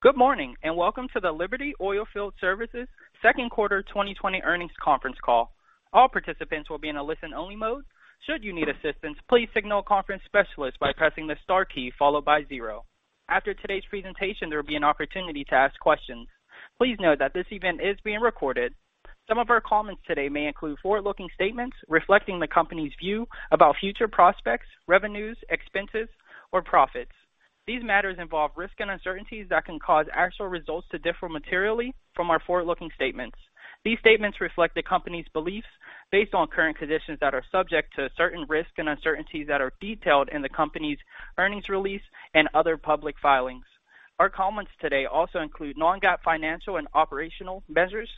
Good morning, and welcome to the Liberty Oilfield Services second quarter 2020 earnings conference call. All participants will be in a listen-only mode. Should you need assistance, please signal a conference specialist by pressing the star key followed by zero. After today's presentation, there will be an opportunity to ask questions. Please note that this event is being recorded. Some of our comments today may include forward-looking statements reflecting the company's view about future prospects, revenues, expenses, or profits. These matters involve risks and uncertainties that can cause actual results to differ materially from our forward-looking statements. These statements reflect the company's beliefs based on current conditions that are subject to certain risks and uncertainties that are detailed in the company's earnings release and other public filings. Our comments today also include non-GAAP financial and operational measures.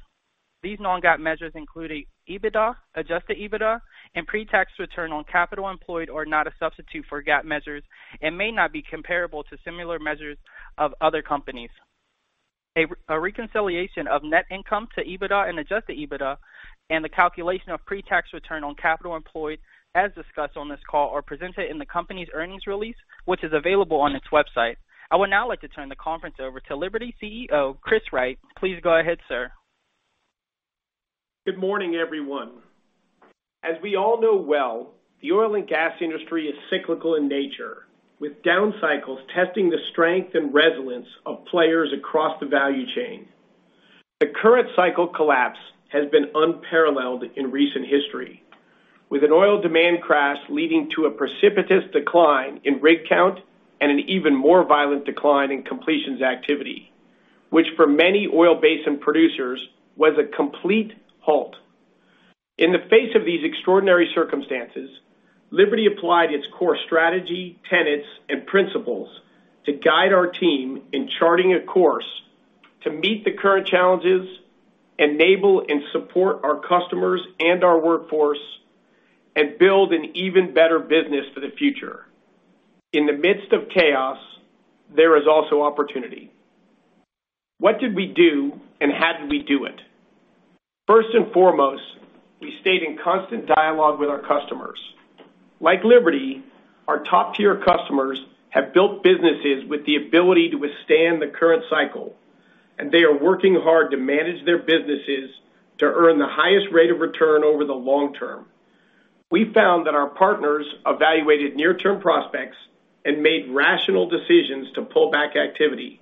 These non-GAAP measures, including EBITDA, adjusted EBITDA, and pre-tax return on capital employed are not a substitute for GAAP measures and may not be comparable to similar measures of other companies. A reconciliation of net income to EBITDA and adjusted EBITDA and the calculation of pre-tax return on capital employed, as discussed on this call, are presented in the company's earnings release, which is available on its website. I would now like to turn the conference over to Liberty CEO, Chris Wright. Please go ahead, sir. Good morning, everyone. As we all know well, the oil and gas industry is cyclical in nature, with down cycles testing the strength and resilience of players across the value chain. The current cycle collapse has been unparalleled in recent history, with an oil demand crash leading to a precipitous decline in rig count and an even more violent decline in completions activity, which for many oil basin producers, was a complete halt. In the face of these extraordinary circumstances, Liberty applied its core strategy, tenets, and principles to guide our team in charting a course to meet the current challenges, enable and support our customers and our workforce, and build an even better business for the future. In the midst of chaos, there is also opportunity. What did we do, and how did we do it? First and foremost, we stayed in constant dialogue with our customers. Like Liberty, our top-tier customers have built businesses with the ability to withstand the current cycle, they are working hard to manage their businesses to earn the highest rate of return over the long term. We found that our partners evaluated near-term prospects and made rational decisions to pull back activity.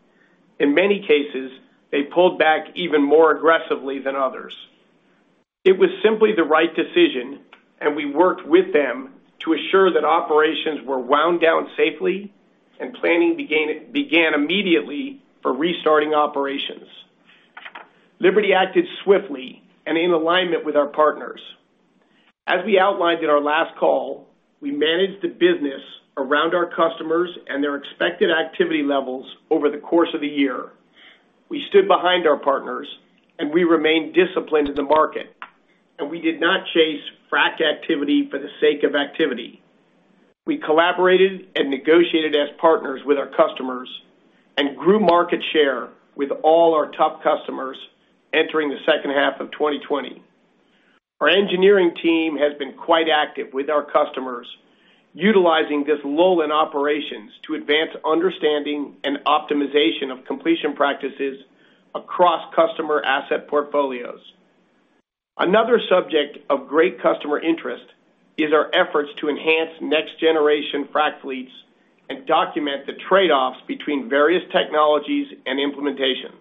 In many cases, they pulled back even more aggressively than others. It was simply the right decision, we worked with them to assure that operations were wound down safely and planning began immediately for restarting operations. Liberty acted swiftly and in alignment with our partners. As we outlined in our last call, we managed the business around our customers and their expected activity levels over the course of the year. We stood behind our partners, we remained disciplined in the market, we did not chase frac activity for the sake of activity. We collaborated and negotiated as partners with our customers and grew market share with all our top customers entering the second half of 2020. Our engineering team has been quite active with our customers, utilizing this lull in operations to advance understanding and optimization of completion practices across customer asset portfolios. Another subject of great customer interest is our efforts to enhance next-generation frac fleets and document the trade-offs between various technologies and implementation.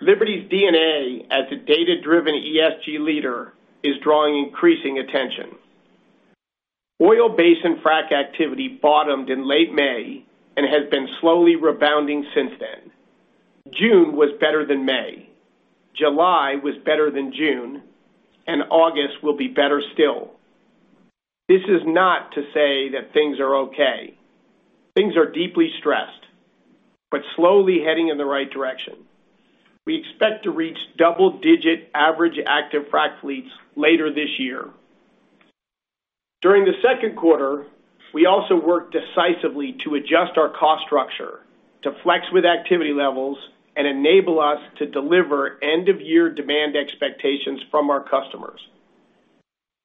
Liberty's DNA as a data-driven ESG leader is drawing increasing attention. Oil basin frac activity bottomed in late May and has been slowly rebounding since then. June was better than May. July was better than June, and August will be better still. This is not to say that things are okay. Things are deeply stressed, but slowly heading in the right direction. We expect to reach double-digit average active frac fleets later this year. During the second quarter, we also worked decisively to adjust our cost structure to flex with activity levels and enable us to deliver end-of-year demand expectations from our customers.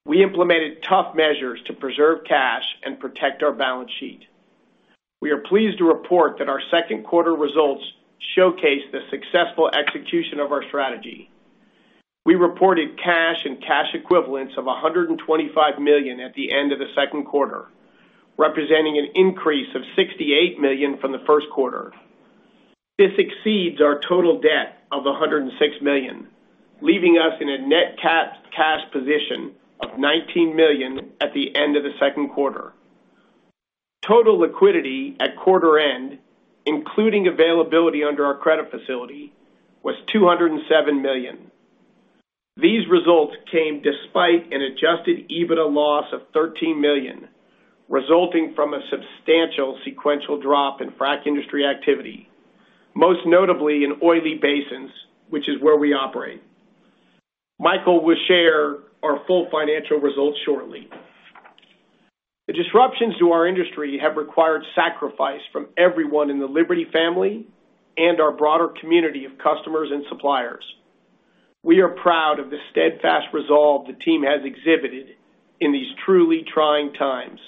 We implemented tough measures to preserve cash and protect our balance sheet. We are pleased to report that our second quarter results showcase the successful execution of our strategy. We reported cash and cash equivalents of $125 million at the end of the second quarter, representing an increase of $68 million from the first quarter. This exceeds our total debt of $106 million, leaving us in a net cash position of $19 million at the end of the second quarter. Total liquidity at quarter end, including availability under our credit facility, was $207 million. These results came despite an adjusted EBITDA loss of $13 million, resulting from a substantial sequential drop in frac industry activity, most notably in oily basins, which is where we operate. Michael will share our full financial results shortly. The disruptions to our industry have required sacrifice from everyone in the Liberty family and our broader community of customers and suppliers. We are proud of the steadfast resolve the team has exhibited in these truly trying times.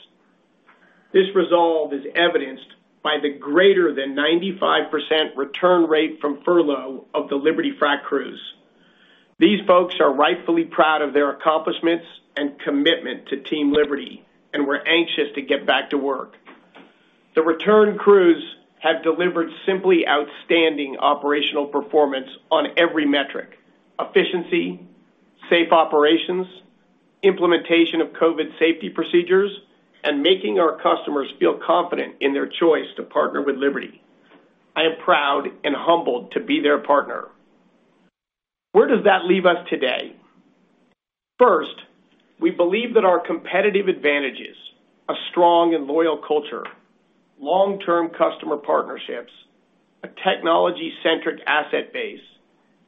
This resolve is evidenced by the greater than 95% return rate from furlough of the Liberty Frac crews. These folks are rightfully proud of their accomplishments and commitment to Team Liberty, and we're anxious to get back to work. The return crews have delivered simply outstanding operational performance on every metric: efficiency, safe operations, implementation of COVID safety procedures, and making our customers feel confident in their choice to partner with Liberty. I am proud and humbled to be their partner. Where does that leave us today? First, we believe that our competitive advantages, a strong and loyal culture, long-term customer partnerships, a technology-centric asset base,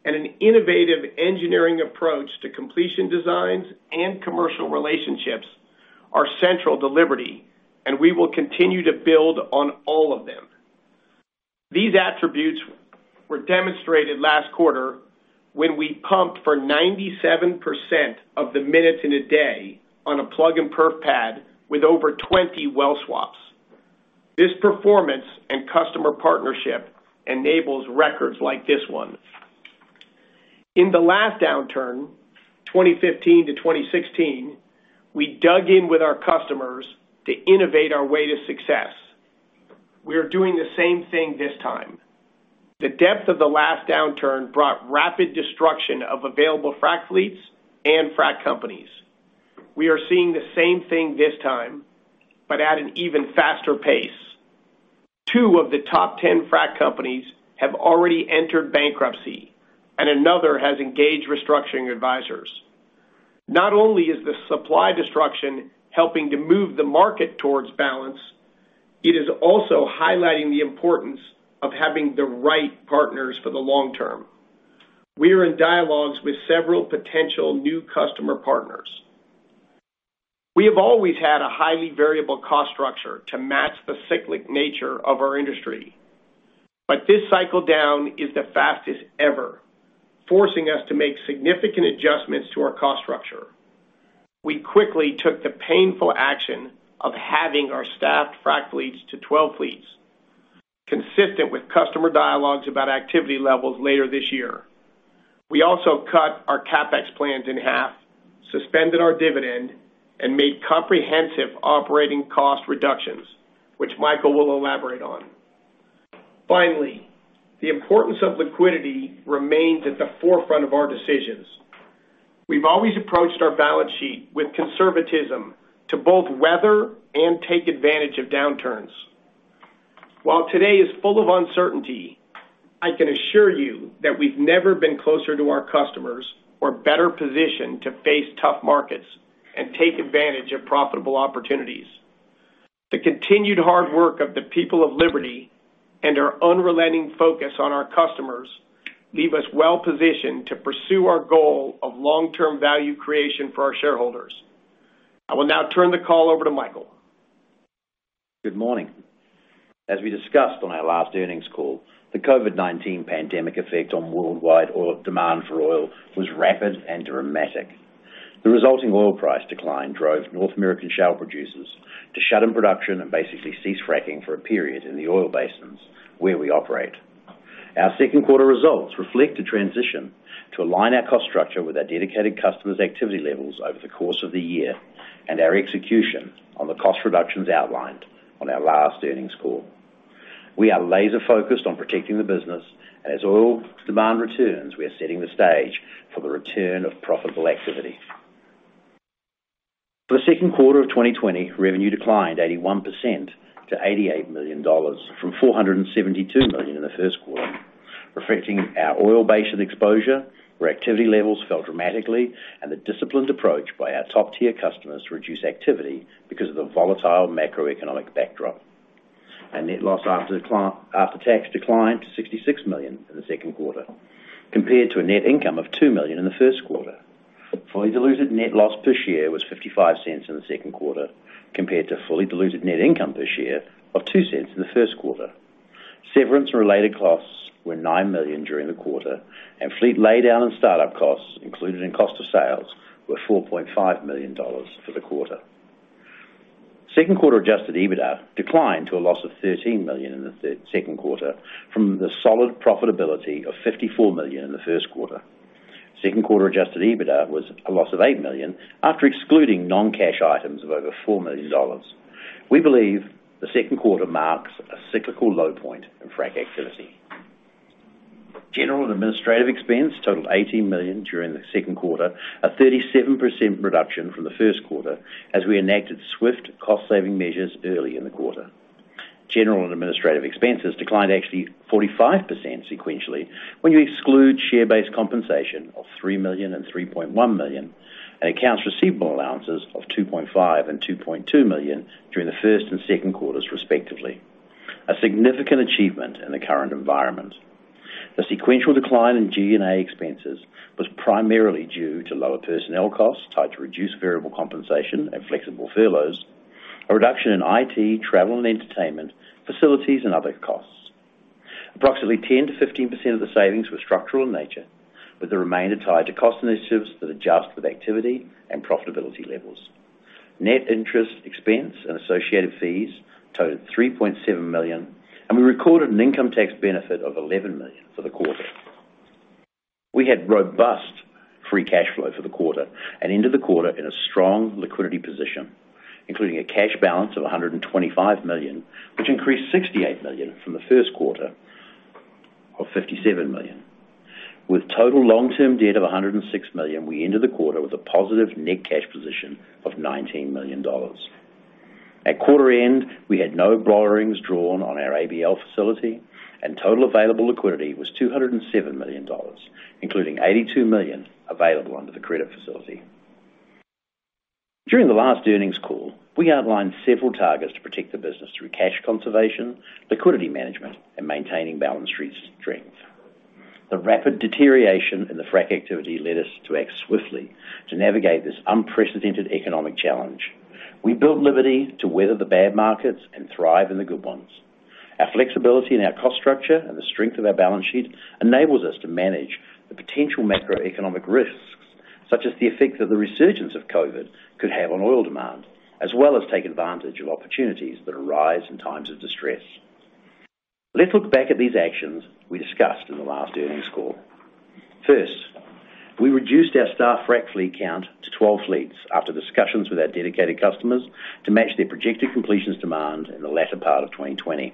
and an innovative engineering approach to completion designs and commercial relationships are central to Liberty, and we will continue to build on all of them. These attributes were demonstrated last quarter when we pumped for 97% of the minutes in a day on a plug and perf pad with over 20 well swaps. This performance and customer partnership enables records like this one. In the last downturn, 2015 to 2016, we dug in with our customers to innovate our way to success. We are doing the same thing this time. The depth of the last downturn brought rapid destruction of available frac fleets and frac companies. We are seeing the same thing this time, but at an even faster pace. Two of the top 10 frac companies have already entered bankruptcy, and another has engaged restructuring advisors. Not only is the supply destruction helping to move the market towards balance, it is also highlighting the importance of having the right partners for the long term. We are in dialogues with several potential new customer partners. We have always had a highly variable cost structure to match the cyclic nature of our industry. This cycle down is the fastest ever, forcing us to make significant adjustments to our cost structure. We quickly took the painful action of halving our staffed frac fleets to 12 fleets, consistent with customer dialogues about activity levels later this year. We also cut our CapEx plans in half, suspended our dividend, and made comprehensive operating cost reductions, which Michael will elaborate on. Finally, the importance of liquidity remains at the forefront of our decisions. We've always approached our balance sheet with conservatism to both weather and take advantage of downturns. While today is full of uncertainty, I can assure you that we've never been closer to our customers or better positioned to face tough markets and take advantage of profitable opportunities. The continued hard work of the people of Liberty and our unrelenting focus on our customers leave us well-positioned to pursue our goal of long-term value creation for our shareholders. I will now turn the call over to Michael. Good morning. As we discussed on our last earnings call, the COVID-19 pandemic effect on worldwide demand for oil was rapid and dramatic. The resulting oil price decline drove North American shale producers to shut in production and basically cease fracking for a period in the oil basins where we operate. Our second quarter results reflect a transition to align our cost structure with our dedicated customers' activity levels over the course of the year and our execution on the cost reductions outlined on our last earnings call. We are laser-focused on protecting the business, and as oil demand returns, we are setting the stage for the return of profitable activity. For the second quarter of 2020, revenue declined 81% to $88 million from $472 million in the first quarter, reflecting our oil basin exposure, where activity levels fell dramatically, and the disciplined approach by our top-tier customers to reduce activity because of the volatile macroeconomic backdrop. Our net loss after tax declined to $66 million in the second quarter, compared to a net income of $2 million in the first quarter. Fully diluted net loss per share was $0.55 in the second quarter, compared to fully diluted net income per share of $0.02 in the first quarter. Severance-related costs were $9 million during the quarter, and fleet laydown and startup costs included in cost of sales were $4.5 million for the quarter. Second quarter adjusted EBITDA declined to a loss of $13 million in the second quarter from the solid profitability of $54 million in the first quarter. Second quarter adjusted EBITDA was a loss of $8 million after excluding non-cash items of over $4 million. We believe the second quarter marks a cyclical low point in frac activity. General and administrative expense totaled $18 million during the second quarter, a 37% reduction from the first quarter as we enacted swift cost-saving measures early in the quarter. General and administrative expenses declined actually 45% sequentially when you exclude share-based compensation of $3 million and $3.1 million and accounts receivable allowances of $2.5 million and $2.2 million during the first and second quarters, respectively, a significant achievement in the current environment. The sequential decline in G&A expenses was primarily due to lower personnel costs tied to reduced variable compensation and flexible furloughs. A reduction in IT, travel and entertainment, facilities, and other costs. Approximately 10%-15% of the savings were structural in nature, with the remainder tied to cost initiatives that adjust with activity and profitability levels. Net interest expense and associated fees totaled $3.7 million, and we recorded an income tax benefit of $11 million for the quarter. We had robust free cash flow for the quarter and ended the quarter in a strong liquidity position, including a cash balance of $125 million, which increased $68 million from the first quarter of $57 million. With total long-term debt of $106 million, we ended the quarter with a positive net cash position of $19 million. At quarter end, we had no borrowings drawn on our ABL facility, and total available liquidity was $207 million, including $82 million available under the credit facility. During the last earnings call, we outlined several targets to protect the business through cash conservation, liquidity management, and maintaining balance sheet strength. The rapid deterioration in the frac activity led us to act swiftly to navigate this unprecedented economic challenge. We built Liberty to weather the bad markets and thrive in the good ones. Our flexibility in our cost structure and the strength of our balance sheet enables us to manage the potential macroeconomic risks, such as the effect that the resurgence of COVID could have on oil demand, as well as take advantage of opportunities that arise in times of distress. Let's look back at these actions we discussed in the last earnings call. First, we reduced our staff frac fleet count to 12 fleets after discussions with our dedicated customers to match their projected completions demand in the latter part of 2020.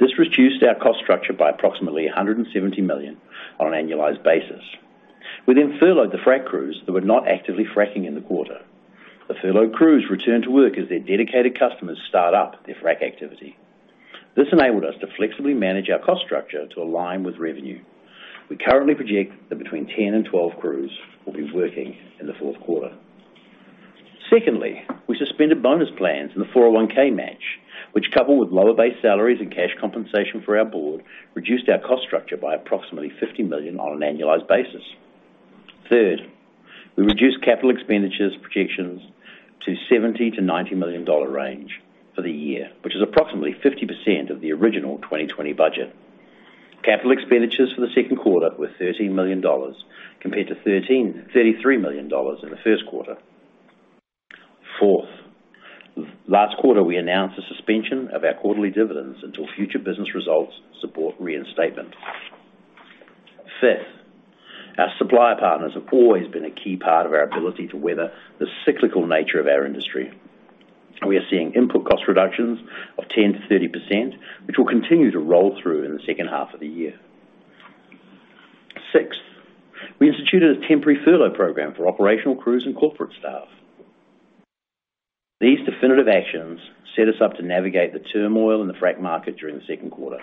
This reduced our cost structure by approximately $170 million on an annualized basis. We furloughed the frac crews that were not actively fracking in the quarter. The furloughed crews returned to work as their dedicated customers start up their frac activity. This enabled us to flexibly manage our cost structure to align with revenue. We currently project that between 10 and 12 crews will be working in the fourth quarter. Secondly, we suspended bonus plans and the 401(k) match, which, coupled with lower base salaries and cash compensation for our board, reduced our cost structure by approximately $50 million on an annualized basis. Third, we reduced capital expenditures projections to $70 million-$90 million range for the year, which is approximately 50% of the original 2020 budget. Capital expenditures for the second quarter were $30 million compared to $33 million in the first quarter. Fourth, last quarter, we announced the suspension of our quarterly dividends until future business results support reinstatement. Fifth, our supplier partners have always been a key part of our ability to weather the cyclical nature of our industry. We are seeing input cost reductions of 10%-30%, which will continue to roll through in the second half of the year. Sixth, we instituted a temporary furlough program for operational crews and corporate staff. These definitive actions set us up to navigate the turmoil in the frac market during the second quarter,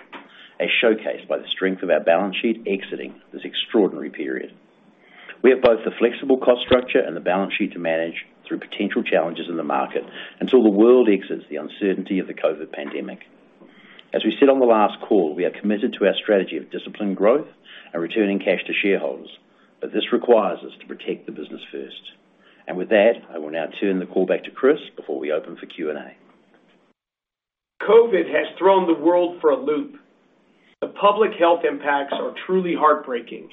as showcased by the strength of our balance sheet exiting this extraordinary period. We have both the flexible cost structure and the balance sheet to manage through potential challenges in the market until the world exits the uncertainty of the COVID-19 pandemic. As we said on the last call, we are committed to our strategy of disciplined growth and returning cash to shareholders, but this requires us to protect the business first. With that, I will now turn the call back to Chris before we open for Q&A. COVID has thrown the world for a loop. The public health impacts are truly heartbreaking.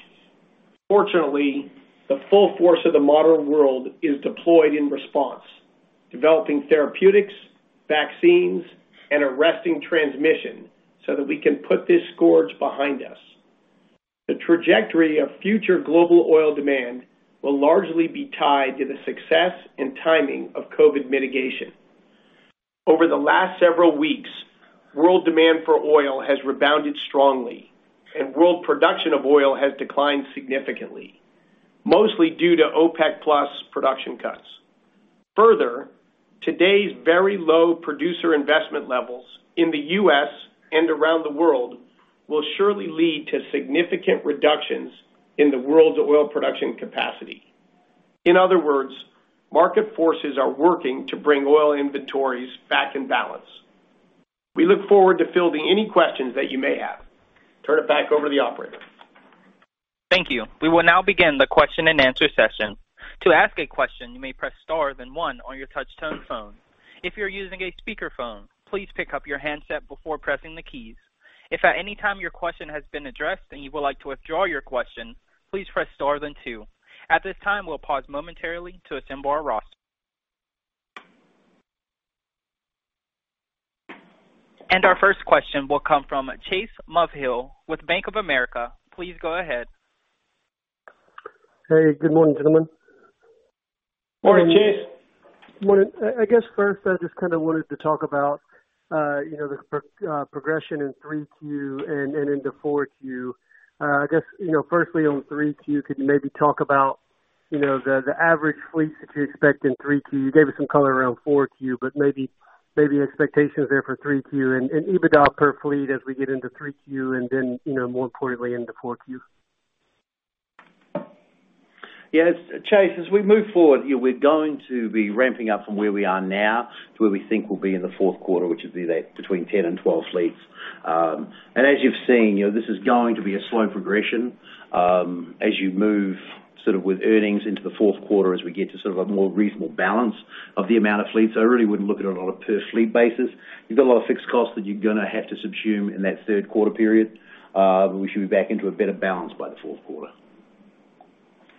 Fortunately, the full force of the modern world is deployed in response, developing therapeutics, vaccines, and arresting transmission so that we can put this scourge behind us. The trajectory of future global oil demand will largely be tied to the success and timing of COVID mitigation. Over the last several weeks, world demand for oil has rebounded strongly, and world production of oil has declined significantly, mostly due to OPEC+ production cuts. Further, today's very low producer investment levels in the U.S. and around the world will surely lead to significant reductions in the world's oil production capacity. In other words, market forces are working to bring oil inventories back in balance. We look forward to fielding any questions that you may have. Turn it back over to the operator. Thank you. We will now begin the question-and-answer session. To ask a question, you may press star, then one on your touch-tone phone. If you're using a speakerphone, please pick up your handset before pressing the keys. If at any time your question has been addressed and you would like to withdraw your question, please press star then two. At this time, we'll pause momentarily to assemble our roster. Our first question will come from Chase Mulvehill with Bank of America. Please go ahead. Hey, good morning, gentlemen. Morning, Chase. Morning. I guess first I just wanted to talk about the progression in 3Q and into 4Q. I guess firstly on 3Q, could you maybe talk about the average fleets that you expect in 3Q? You gave us some color around 4Q, but maybe expectations there for 3Q and EBITDA per fleet as we get into 3Q, and then more importantly into 4Q. Yes, Chase, as we move forward, we're going to be ramping up from where we are now to where we think we'll be in the fourth quarter, which would be between 10 and 12 fleets. As you've seen, this is going to be a slow progression as you move sort of with earnings into the fourth quarter as we get to sort of a more reasonable balance of the amount of fleets. I really wouldn't look at it on a per fleet basis. You've got a lot of fixed costs that you're going to have to subsume in that third quarter period. We should be back into a better balance by the fourth quarter.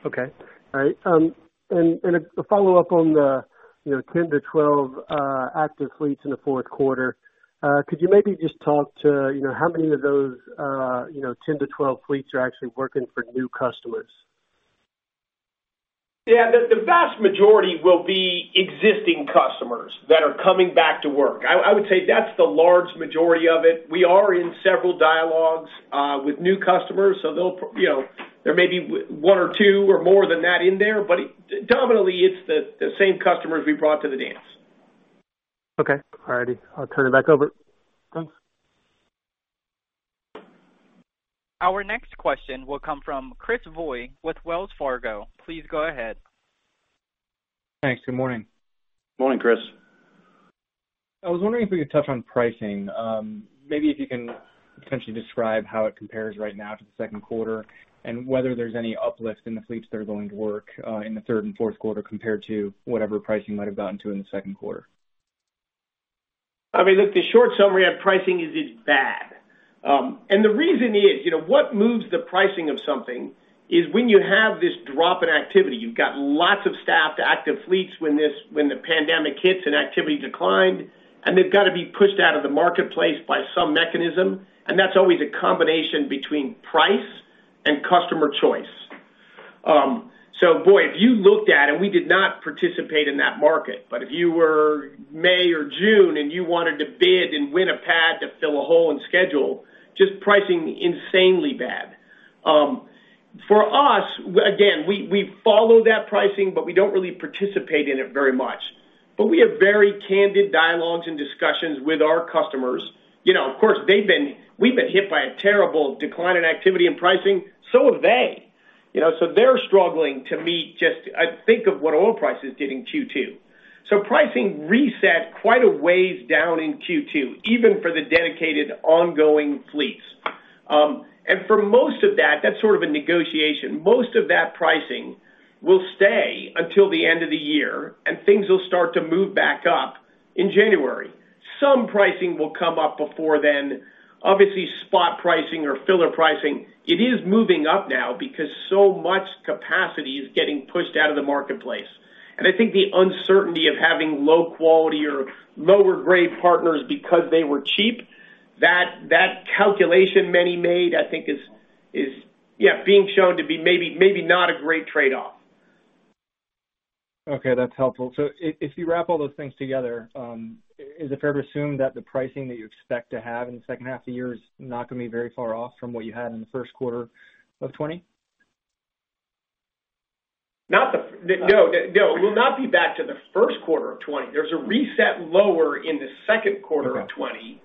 Okay. All right. A follow-up on the 10-12 active fleets in the fourth quarter. Could you maybe just talk to how many of those 10-12 fleets are actually working for new customers? The vast majority will be existing customers that are coming back to work. I would say that's the large majority of it. We are in several dialogues with new customers, so you know, there may be one or two or more than that in there, but dominantly it's the same customers we brought to the dance. Okay. All righty. I'll turn it back over. Thanks. Our next question will come from Chris Voie with Wells Fargo. Please go ahead. Thanks. Good morning. Morning, Chris. I was wondering if we could touch on pricing. Maybe if you can potentially describe how it compares right now to the second quarter, and whether there's any uplift in the fleets that are going to work in the third and fourth quarter compared to whatever pricing you might have gotten to in the second quarter? I mean, look, the short summary of pricing is it's bad. The reason is, what moves the pricing of something is when you have this drop in activity. You've got lots of staffed active fleets when the pandemic hits and activity declined, and they've got to be pushed out of the marketplace by some mechanism, and that's always a combination between price and customer choice. Voie, if you looked at, and we did not participate in that market, but if you were May or June and you wanted to bid and win a pad to fill a hole and schedule, just pricing insanely bad. For us, again, we follow that pricing, but we don't really participate in it very much. We have very candid dialogues and discussions with our customers. Of course, we've been hit by a terrible decline in activity and pricing, so have they. They're struggling to meet. Think of what oil prices did in Q2. Pricing reset quite a ways down in Q2, even for the dedicated ongoing fleets. For most of that's sort of a negotiation. Most of that pricing will stay until the end of the year, and things will start to move back up in January. Some pricing will come up before then. Obviously, spot pricing or filler pricing, it is moving up now because so much capacity is getting pushed out of the marketplace. I think the uncertainty of having low quality or lower grade partners because they were cheap, that calculation many made, I think is being shown to be maybe not a great trade-off. Okay, that's helpful. If you wrap all those things together, is it fair to assume that the pricing that you expect to have in the second half of the year is not going to be very far off from what you had in the first quarter of 2020? No. It will not be back to the first quarter of 2020. There's a reset lower in the second quarter of 2020.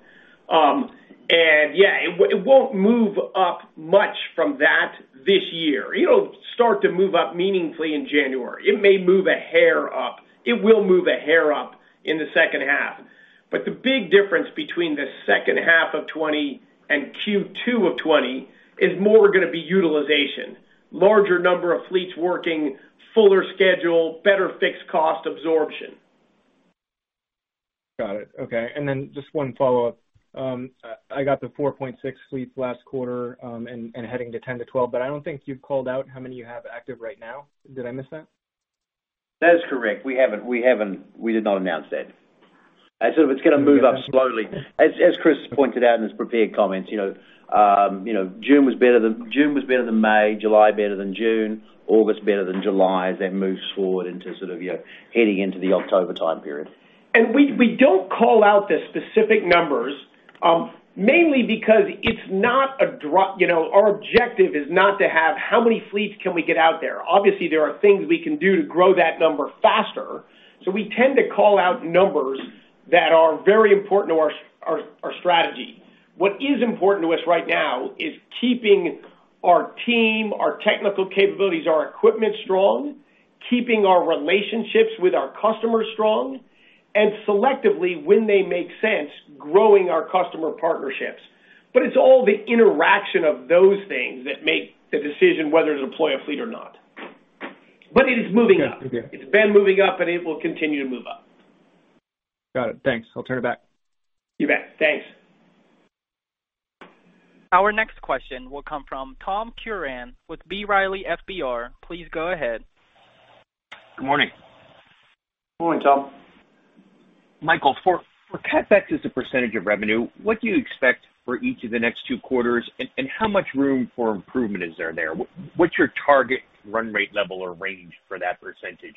Yeah, it won't move up much from that this year. It'll start to move up meaningfully in January. It may move a hair up. It will move a hair up in the second half. The big difference between the second half of 2020 and Q2 of 2020 is more going to be utilization, larger number of fleets working, fuller schedule, better fixed cost absorption. Got it. Okay. Then just one follow-up. I got the 4.6 fleets last quarter, and heading to 10-12, but I don't think you've called out how many you have active right now. Did I miss that? That is correct. We did not announce that. It's going to move up slowly. As Chris pointed out in his prepared comments, June was better than May, July better than June, August better than July, as that moves forward into sort of heading into the October time period. We don't call out the specific numbers, mainly because our objective is not to have how many fleets can we get out there? Obviously, there are things we can do to grow that number faster. We tend to call out numbers that are very important to our strategy. What is important to us right now is keeping our team, our technical capabilities, our equipment strong, keeping our relationships with our customers strong, and selectively, when they make sense, growing our customer partnerships. It's all the interaction of those things that make the decision whether to deploy a fleet or not. But, it is moving up. Okay. It's been moving up, and it will continue to move up. Got it. Thanks. I'll turn it back. You bet. Thanks. Our next question will come from Tom Curran with B. Riley FBR. Please go ahead. Good morning. Morning, Tom. Michael, for CapEx as a percentage of revenue, what do you expect for each of the next two quarters, and how much room for improvement is there there? What's your target run rate level or range for that percentage?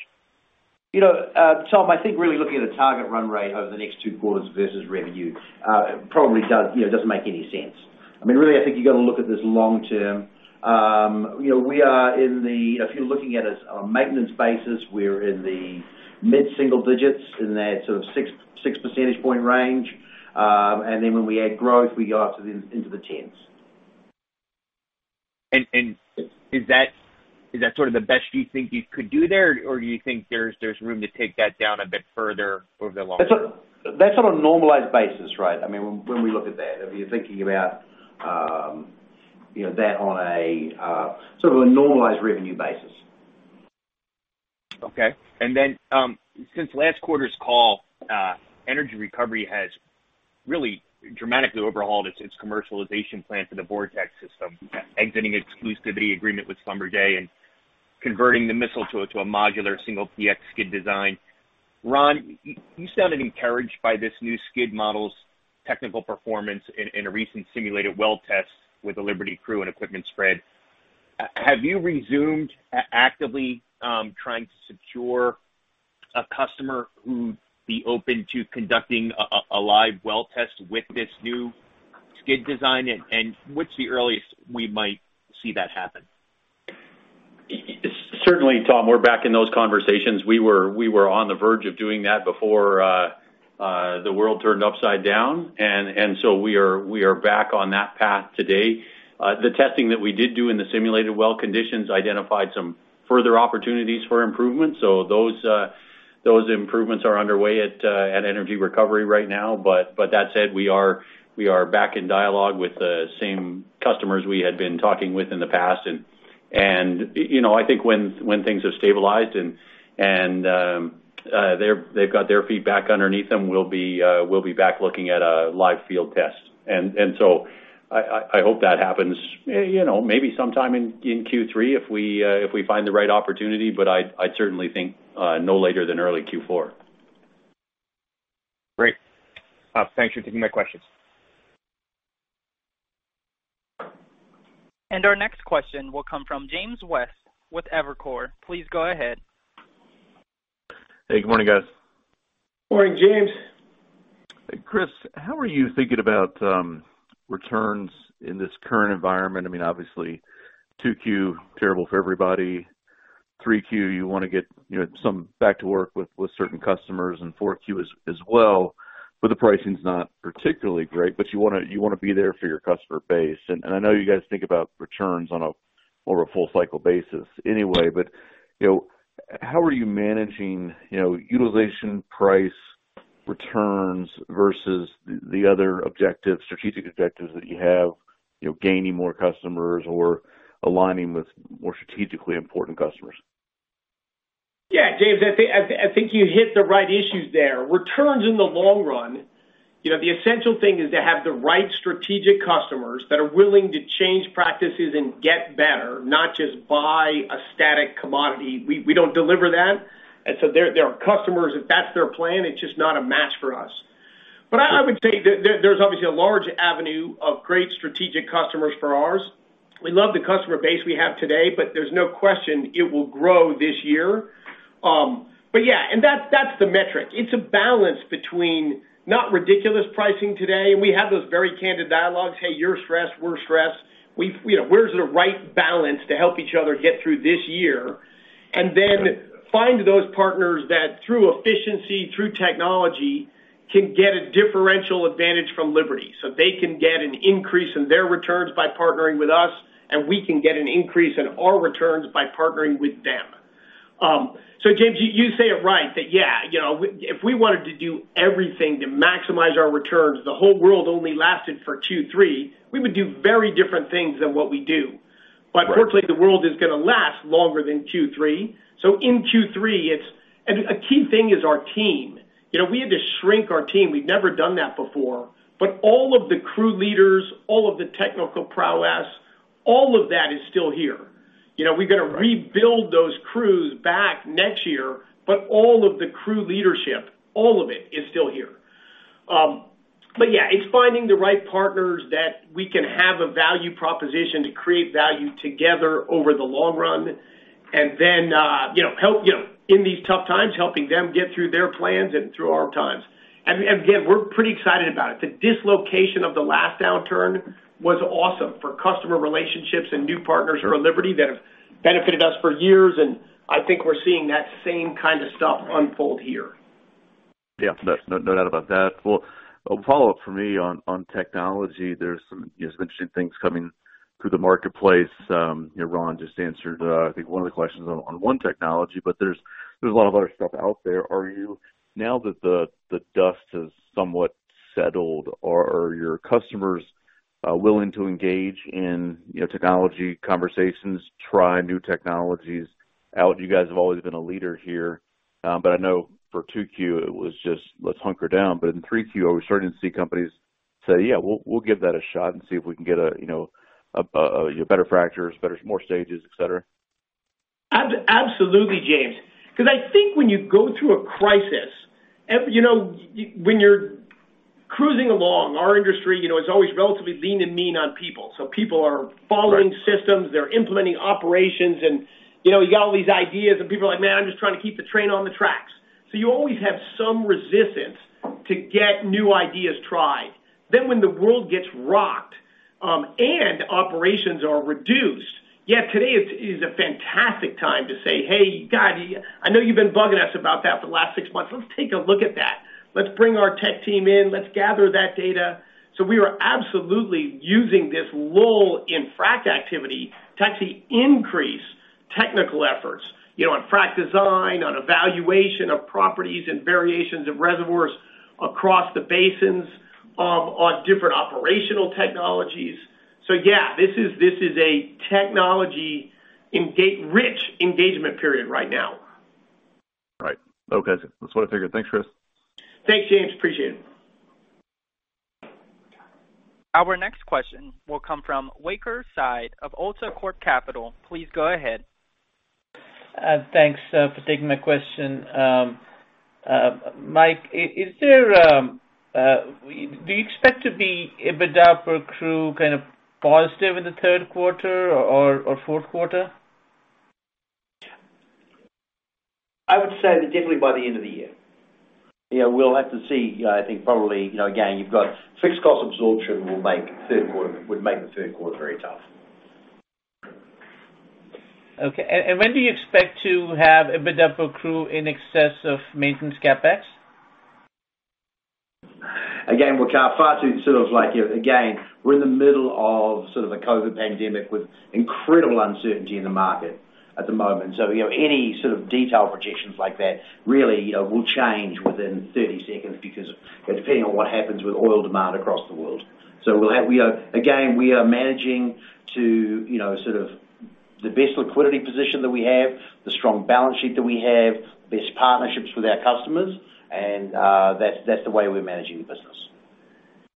Tom, I think really looking at a target run rate over the next two quarters versus revenue probably doesn't make any sense. I mean, really, I think you got to look at this long term. If you're looking at us on a maintenance basis, we're in the mid-single digits in that sort of six percentage point range. When we add growth, we go up into the tens. Is that sort of the best you think you could do there? Do you think there's room to take that down a bit further over the long term? That's on a normalized basis, right? I mean, when we look at that, if you're thinking about that on a sort of a normalized revenue basis. Okay. Since last quarter's call, Energy Recovery has really dramatically overhauled its commercialization plan for the VorTeq system, exiting exclusivity agreement with Schlumberger and converting the missile to a modular single PX skid design. Ron, you sounded encouraged by this new skid model's technical performance in a recent simulated well test with the Liberty crew and equipment spread. Have you resumed actively trying to secure a customer who'd be open to conducting a live well test with this new skid design? What's the earliest we might see that happen? Certainly, Tom, we're back in those conversations. We were on the verge of doing that before the world turned upside down. So we are back on that path today. The testing that we did do in the simulated well conditions identified some further opportunities for improvement. Those improvements are underway at Energy Recovery right now. That said, we are back in dialogue with the same customers we had been talking with in the past, and I think when things have stabilized and they've got their feet back underneath them, we'll be back looking at a live field test. So I hope that happens, you know, maybe sometime in Q3 if we find the right opportunity, but I certainly think no later than early Q4. Great. Thanks for taking my questions. Our next question will come from James West with Evercore. Please go ahead. Hey, good morning, guys. Morning, James. Chris, how are you thinking about returns in this current environment? Obviously, 2Q, terrible for everybody. 3Q, you want to get some back to work with certain customers, and 4Q as well. The pricing's not particularly great, but you want to be there for your customer base. I know you guys think about returns on a more of a full cycle basis anyway, but how are you managing utilization, price, returns versus the other strategic objectives that you have, gaining more customers or aligning with more strategically important customers? Yeah. James, I think you hit the right issues there. Returns in the long run, the essential thing is to have the right strategic customers that are willing to change practices and get better, not just buy a static commodity. We don't deliver that. There are customers, if that's their plan, it's just not a match for us. I would say there's obviously a large avenue of great strategic customers for ours. We love the customer base we have today, but there's no question it will grow this year. Yeah, and that's the metric. It's a balance between not ridiculous pricing today, and we have those very candid dialogues. Hey, you're stressed, we're stressed. Where's the right balance to help each other get through this year? Find those partners that, through efficiency, through technology, can get a differential advantage from Liberty, so they can get an increase in their returns by partnering with us, and we can get an increase in our returns by partnering with them. James, you say it right that, yeah, if we wanted to do everything to maximize our returns, the whole world only lasted for Q3, we would do very different things than what we do. Right. Fortunately, the world is going to last longer than Q3. In Q3, a key thing is our team. We had to shrink our team. We've never done that before. All of the crew leaders, all of the technical prowess, all of that is still here. Right. We've got to rebuild those crews back next year, but all of the crew leadership, all of it, is still here. Yeah, it's finding the right partners that we can have a value proposition to create value together over the long run. In these tough times, helping them get through their plans and through our times. Again, we're pretty excited about it. The dislocation of the last downturn was awesome for customer relationships and new partners for Liberty that have benefited us for years, and I think we're seeing that same kind of stuff unfold here. Yeah. No doubt about that. Well, a follow-up from me on technology, there's some interesting things coming through the marketplace. Ron just answered, I think, one of the questions on one technology, but there's a lot of other stuff out there. Now that the dust has somewhat settled, are your customers willing to engage in technology conversations, try new technologies out? You guys have always been a leader here. But, I know for 2Q it was just, "Let's hunker down." But, in 3Q, are we starting to see companies say, Yeah, we'll give that a shot and see if we can get better fractures, more stages, et cetera? Absolutely, James. I think when you go through a crisis, when you're cruising along, our industry, it's always relatively lean and mean on people. People are following systems. Right. They're implementing operations, and you got all these ideas, and people are like, "Man, I'm just trying to keep the train on the tracks." You always have some resistance to get new ideas tried. When the world gets rocked and operations are reduced, yeah, today is a fantastic time to say, "Hey, you guys, I know you've been bugging us about that for the last six months." Let's take a look at that. Let's bring our tech team in, let's gather that data. We are absolutely using this lull in frac activity to actually increase technical efforts on frac design, on evaluation of properties and variations of reservoirs across the basins, on different operational technologies. Yeah, this is a technology-rich engagement period right now. Right. Okay. That's what I figured. Thanks, Chris. Thanks, James. Appreciate it. Our next question will come from Waqar Syed of AltaCorp Capital. Please go ahead. Thanks for taking my question. Mike, do you expect to be EBITDA per crew positive in the third quarter or fourth quarter? I would say that definitely by the end of the year. We'll have to see. I think probably, again, you've got fixed cost absorption would make the third quarter very tough. Okay. When do you expect to have EBITDA per crew in excess of maintenance CapEx? Again, Waqar, again, we're in the middle of a COVID pandemic with incredible uncertainty in the market at the moment. Any detailed projections like that really will change within 30 seconds because depending on what happens with oil demand across the world. Again, we are managing to the best liquidity position that we have, the strong balance sheet that we have, best partnerships with our customers, and that's the way we're managing the business.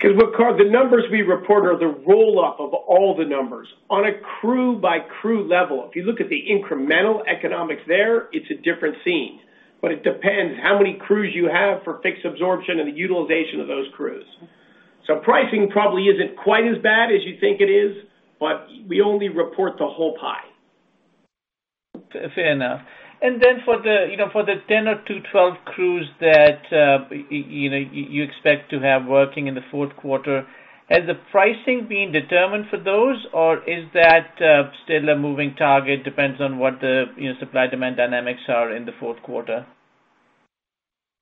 Waqar, the numbers we report are the roll-up of all the numbers. On a crew-by-crew level, if you look at the incremental economics there, it's a different scene, but it depends how many crews you have for fixed absorption and the utilization of those crews. Pricing probably isn't quite as bad as you think it is, but we only report the whole pie. Fair enough. For the, you know, 10-12 crews that you expect to have working in the fourth quarter, has the pricing been determined for those, or is that still a moving target, depends on what the supply-demand dynamics are in the fourth quarter?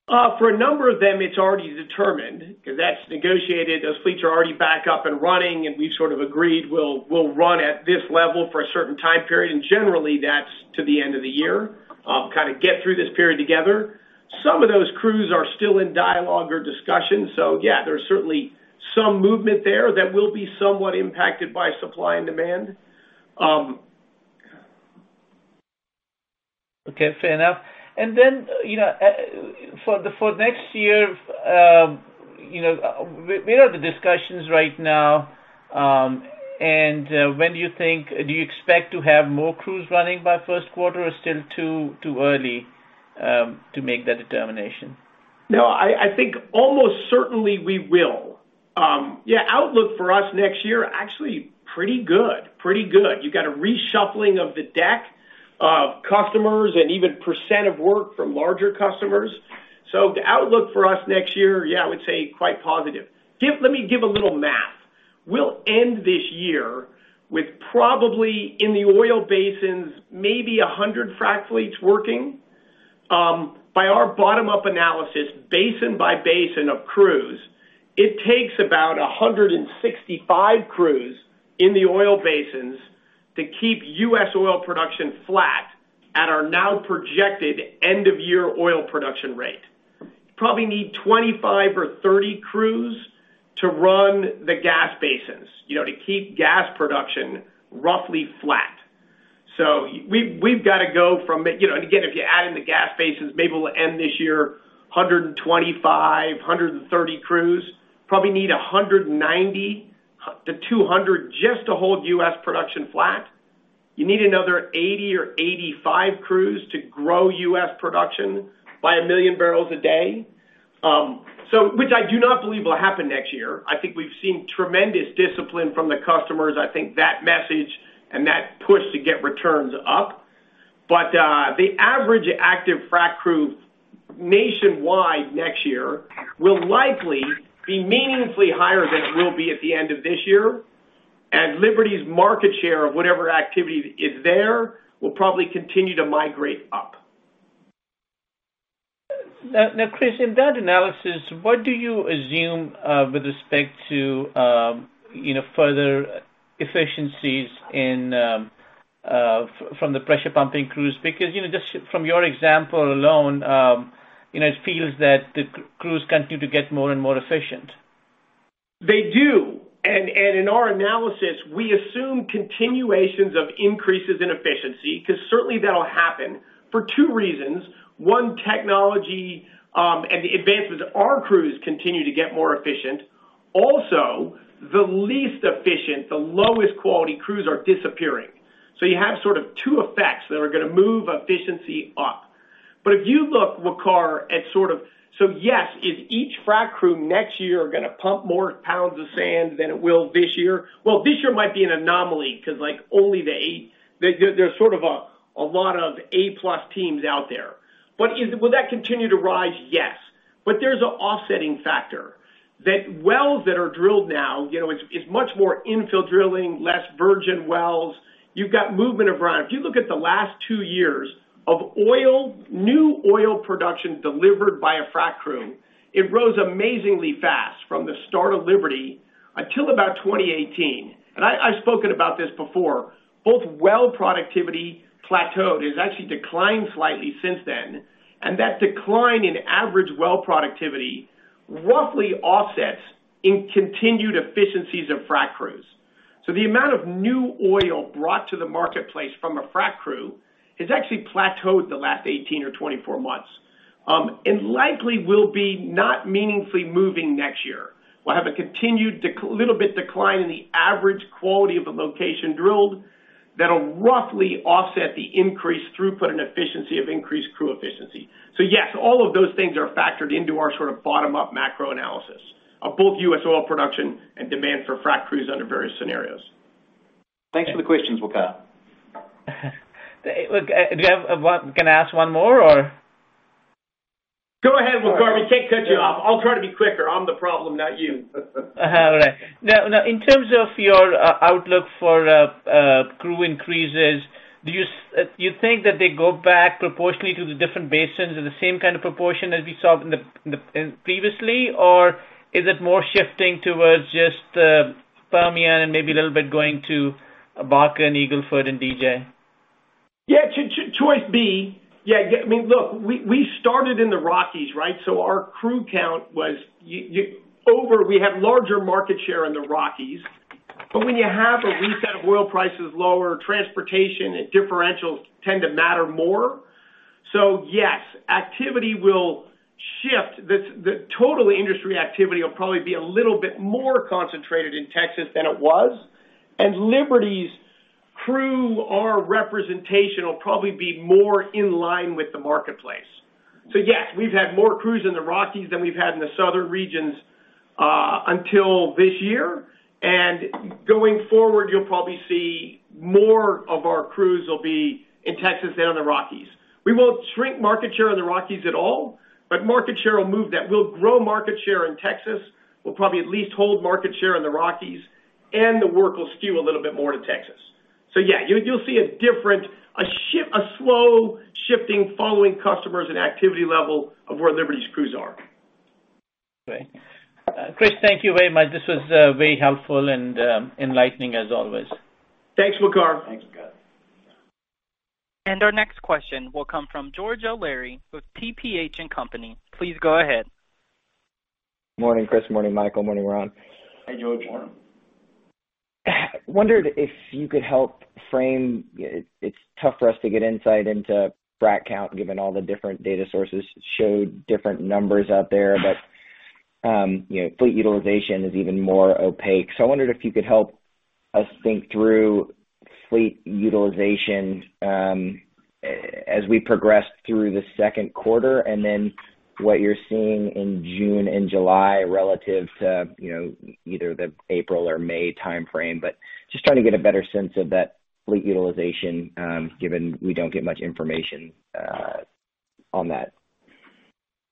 For a number of them, it's already determined because that's negotiated. Those fleets are already back up and running, and we've sort of agreed we'll run at this level for a certain time period, and generally, that's to the end of the year. Kind of get through this period together. Some of those crews are still in dialogue or discussion. Yeah, there's certainly some movement there that will be somewhat impacted by supply and demand. Okay, fair enough. For next year, where are the discussions right now? When do you expect to have more crews running by first quarter or still too early to make that determination? No, I think almost certainly we will. Outlook for us next year, actually pretty good. You've got a reshuffling of the deck of customers and even percent of work from larger customers. The outlook for us next year, yeah, I would say quite positive. Let me give a little math. We'll end this year with probably in the oil basins, maybe 100 frac fleets working. By our bottom-up analysis, basin by basin of crews, it takes about 165 crews in the oil basins to keep U.S. oil production flat at our now projected end-of-year oil production rate. Probably need 25 or 30 crews to run the gas basins, to keep gas production roughly flat. We've got to go, and again, if you add in the gas basins, maybe we'll end this year 125, 130 crews. Probably need 190-200 just to hold U.S. production flat. You need another 80 or 85 crews to grow U.S. production by a million barrels a day. Which I do not believe will happen next year. I think we've seen tremendous discipline from the customers. I think that message and that push to get returns up. The average active frac crew nationwide next year will likely be meaningfully higher than it will be at the end of this year, and Liberty's market share of whatever activity is there will probably continue to migrate up. Chris, in that analysis, what do you assume with respect to further efficiencies from the pressure pumping crews? Because just from your example alone, it feels that the crews continue to get more and more efficient. They do. In our analysis, we assume continuations of increases in efficiency, because certainly that'll happen for two reasons. One, technology, and the advancements our crews continue to get more efficient. Also, the least efficient, the lowest quality crews are disappearing. You have sort of two effects that are gonna move efficiency up. If you look, Waqar, yes, is each frac crew next year gonna pump more pounds of sand than it will this year? Well, this year might be an anomaly because there's sort of a lot of A+ teams out there. Will that continue to rise? Yes. But, there's an offsetting factor. That wells that are drilled now, it's much more infill drilling, less virgin wells. You've got movement around. If you look at the last two years of new oil production delivered by a frac crew, it rose amazingly fast from the start of Liberty until about 2018. I've spoken about this before. Both well productivity plateaued, it's actually declined slightly since then, and that decline in average well productivity roughly offsets in continued efficiencies of frac crews. The amount of new oil brought to the marketplace from a frac crew has actually plateaued the last 18 or 24 months. Likely will be not meaningfully moving next year. We'll have a continued little bit decline in the average quality of a location drilled that'll roughly offset the increased throughput and efficiency of increased crew efficiency. Yes, all of those things are factored into our bottom-up macro analysis of both U.S. oil production and demand for frac crews under various scenarios. Thanks for the questions, Waqar. Can I ask one more, or? Go ahead, Waqar. We can't cut you off. I'll try to be quicker. I'm the problem, not you. All right. Now, in terms of your outlook for crew increases, do you think that they go back proportionally to the different basins in the same kind of proportion as we saw previously, or is it more shifting towards just the Permian and maybe a little bit going to Bakken, Eagle Ford, and DJ? Yeah, choice B. Look, we started in the Rockies, right? We had larger market share in the Rockies. When you have a reset of oil prices lower, transportation and differentials tend to matter more. Yes, activity will shift. The total industry activity will probably be a little bit more concentrated in Texas than it was. Liberty's crew, our representation will probably be more in line with the marketplace. Yes, we've had more crews in the Rockies than we've had in the southern regions until this year. Going forward, you'll probably see more of our crews will be in Texas than in the Rockies. We won't shrink market share in the Rockies at all, but market share will move. We'll grow market share in Texas. We'll probably at least hold market share in the Rockies, and the work will skew a little bit more to Texas. Yeah, you'll see a slow shifting following customers and activity level of where Liberty's crews are. Chris, thank you very much. This was very helpful and enlightening as always. Thanks, Waqar. Thanks, Waqar. Our next question will come from George O'Leary with TPH & Company. Please go ahead. Morning, Chris. Morning, Michael. Morning, Ron. Hey, George. Morning. Wondered if you could help frame it's tough for us to get insight into frac count, given all the different data sources showed different numbers out there. Fleet utilization is even more opaque. I wondered if you could help us think through fleet utilization as we progress through the second quarter, and then what you're seeing in June and July relative to either the April or May timeframe. Just trying to get a better sense of that fleet utilization, given we don't get much information on that.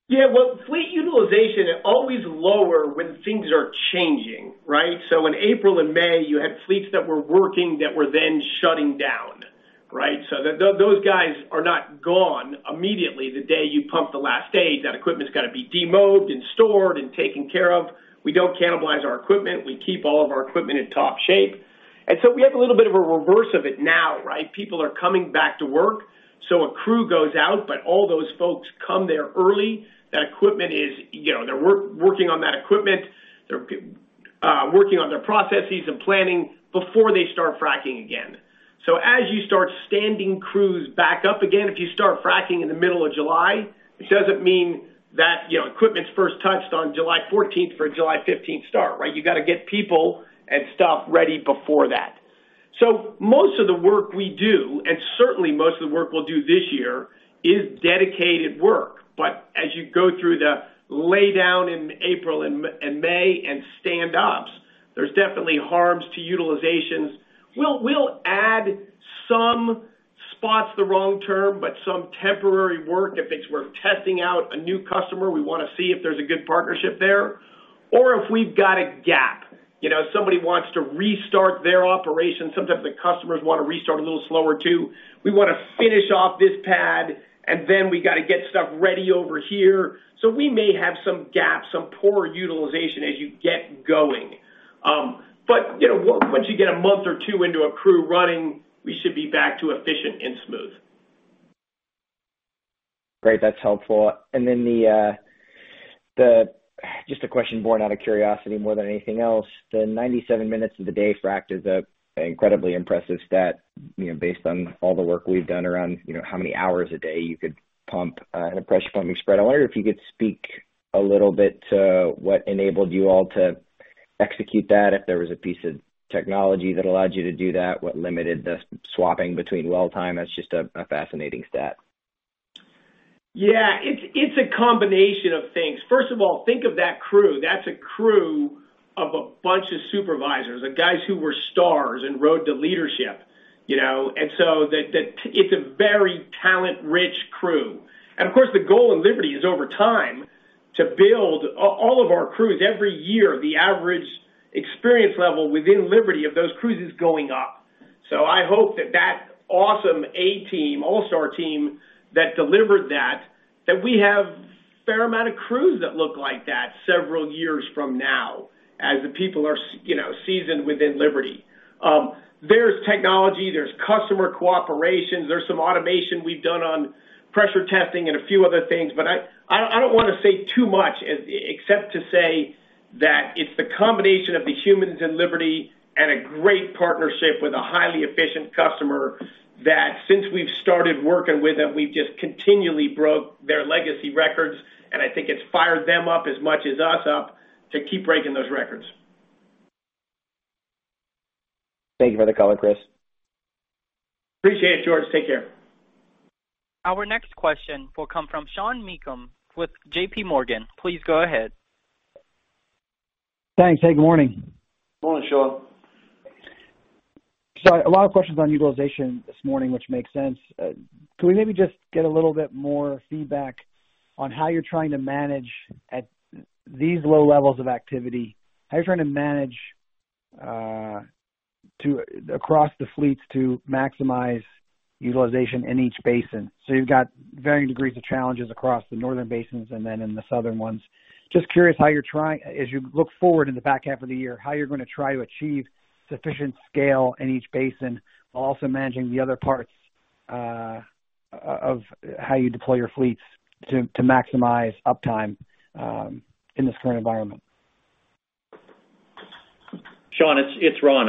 Yeah. Well, fleet utilization is always lower when things are changing, right? In April and May, you had fleets that were working that were then shutting down, right? Those guys are not gone immediately the day you pump the last stage. That equipment's got to be demobed and stored and taken care of. We don't cannibalize our equipment. We keep all of our equipment in top shape. We have a little bit of a reverse of it now, right? People are coming back to work. A crew goes out, but all those folks come there early. That equipment is, you know, they're working on that equipment. They're working on their processes and planning before they start fracking again. As you start standing crews back up again, if you start fracking in the middle of July, it doesn't mean that equipment's first touched on July 14th for a July 15th start, right? You got to get people and stuff ready before that. Most of the work we do, and certainly most of the work we'll do this year, is dedicated work. As you go through the laydown in April and May, and standups, there's definitely harms to utilizations. We'll add some, spot's the wrong term, but some temporary work if it's we're testing out a new customer, we want to see if there's a good partnership there, or if we've got a gap. Somebody wants to restart their operation. Sometimes the customers want to restart a little slower, too. We want to finish off this pad, and then we got to get stuff ready over here. We may have some gaps, some poor utilization as you get going. Once you get a month or two into a crew running, we should be back to efficient and smooth. Great. That's helpful. Then just a question born out of curiosity more than anything else. The 97 minutes of the day fracked is an incredibly impressive stat based on all the work we've done around how many hours a day you could pump on a pressure pumping spread. I wonder if you could speak a little bit to what enabled you all to execute that, if there was a piece of technology that allowed you to do that, what limited the swapping between well time. That's just a fascinating stat. Yeah, it's a combination of things. First of all, think of that crew. That's a crew of a bunch of supervisors and guys who were stars and rode to leadership, you know. It's a very talent-rich crew. Of course, the goal in Liberty is over time to build all of our crews every year, the average experience level within Liberty of those crews is going up. I hope that that awesome A team, all-star team that delivered that we have a fair amount of crews that look like that several years from now, as the people are seasoned within Liberty. There's technology, there's customer cooperation, there's some automation we've done on pressure testing and a few other things, but I don't want to say too much except to say that it's the combination of the humans in Liberty and a great partnership with a highly efficient customer that since we've started working with them, we've just continually broke their legacy records, and I think it's fired them up as much as us up to keep breaking those records. Thank you for the color, Chris. Appreciate it, George. Take care. Our next question will come from Sean Meakim with JPMorgan. Please go ahead. Thanks. Hey, good morning. Morning, Sean. A lot of questions on utilization this morning, which makes sense. Can we maybe just get a little bit more feedback on how you're trying to manage at these low levels of activity? How are you trying to manage across the fleets to maximize utilization in each basin? You've got varying degrees of challenges across the northern basins and then in the southern ones. Just curious how you're trying, as you look forward in the back half of the year, how you're going to try to achieve sufficient scale in each basin while also managing the other parts of how you deploy your fleets to maximize uptime in this current environment? Sean, it's Ron.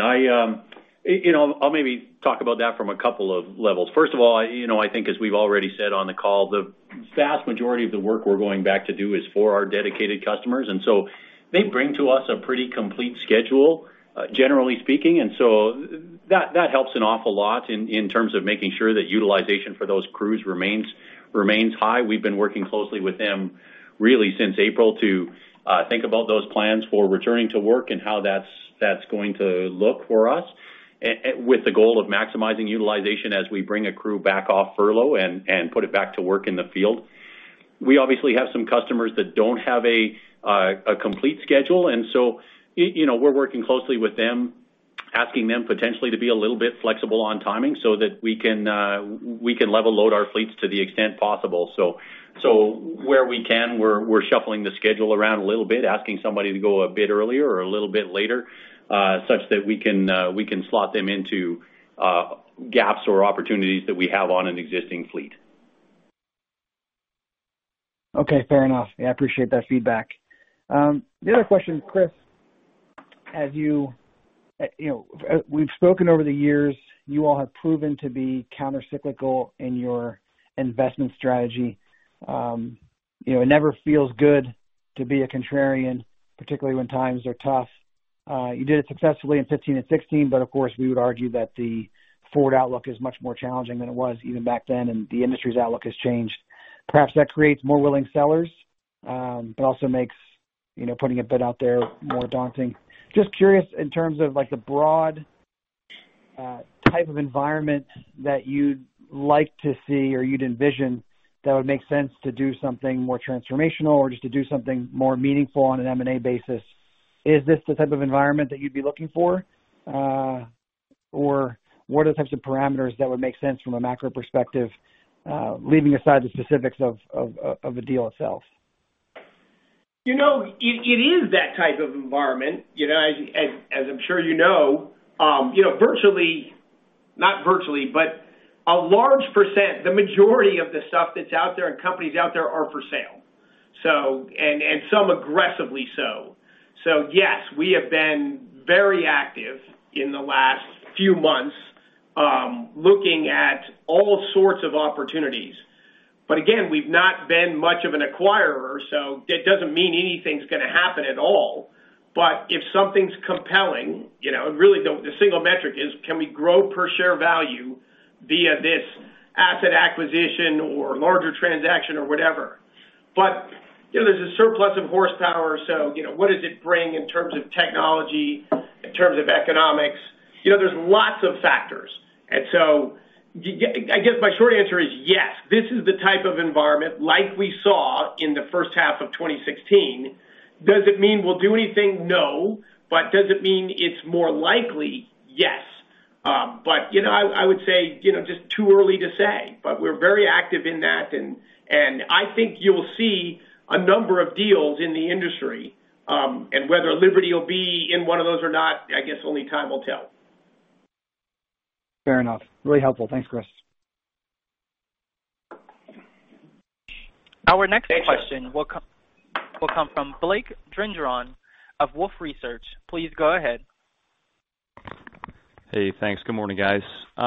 I'll maybe talk about that from a couple of levels. First of all, I think as we've already said on the call, the vast majority of the work we're going back to do is for our dedicated customers. They bring to us a pretty complete schedule, generally speaking, and so that helps an awful lot in terms of making sure that utilization for those crews remains high. We've been working closely with them really since April to think about those plans for returning to work and how that's going to look for us, with the goal of maximizing utilization as we bring a crew back off furlough and put it back to work in the field. We obviously have some customers that don't have a complete schedule, and so we're working closely with them, asking them potentially to be a little bit flexible on timing so that we can level load our fleets to the extent possible. Where we can, we're shuffling the schedule around a little bit, asking somebody to go a bit earlier or a little bit later, such that we can slot them into gaps or opportunities that we have on an existing fleet. Okay, fair enough. Yeah, appreciate that feedback. The other question, Chris, we've spoken over the years, you all have proven to be counter-cyclical in your investment strategy. It never feels good to be a contrarian, particularly when times are tough. You did it successfully in 2015 and 2016, but of course, we would argue that the forward outlook is much more challenging than it was even back then, and the industry's outlook has changed. Perhaps that creates more willing sellers, but also makes putting a bid out there more daunting. Just curious in terms of the broad type of environment that you'd like to see or you'd envision that would make sense to do something more transformational or just to do something more meaningful on an M&A basis. Is this the type of environment that you'd be looking for? Or what are the types of parameters that would make sense from a macro perspective, leaving aside the specifics of the deal itself? It is that type of environment, as I'm sure you know. Not virtually, but a large percent, the majority of the stuff that's out there and companies out there are for sale. Some aggressively so. Yes, we have been very active in the last few months, looking at all sorts of opportunities. Again, we've not been much of an acquirer, so that doesn't mean anything's going to happen at all. If something's compelling, really the single metric is can we grow per share value via this asset acquisition or larger transaction or whatever. There's a surplus of horsepower, so what does it bring in terms of technology, in terms of economics? There's lots of factors. I guess my short answer is yes, this is the type of environment like we saw in the first half of 2016. Does it mean we'll do anything? No. But, does it mean it's more likely? Yes. I would say just too early to say, but we're very active in that, and I think you'll see a number of deals in the industry. Whether Liberty will be in one of those or not, I guess only time will tell. Fair enough. Really helpful. Thanks, Chris. Thanks. Our next question will come from Blake Gendron of Wolfe Research. Please go ahead. Hey, thanks. Good morning, guys. I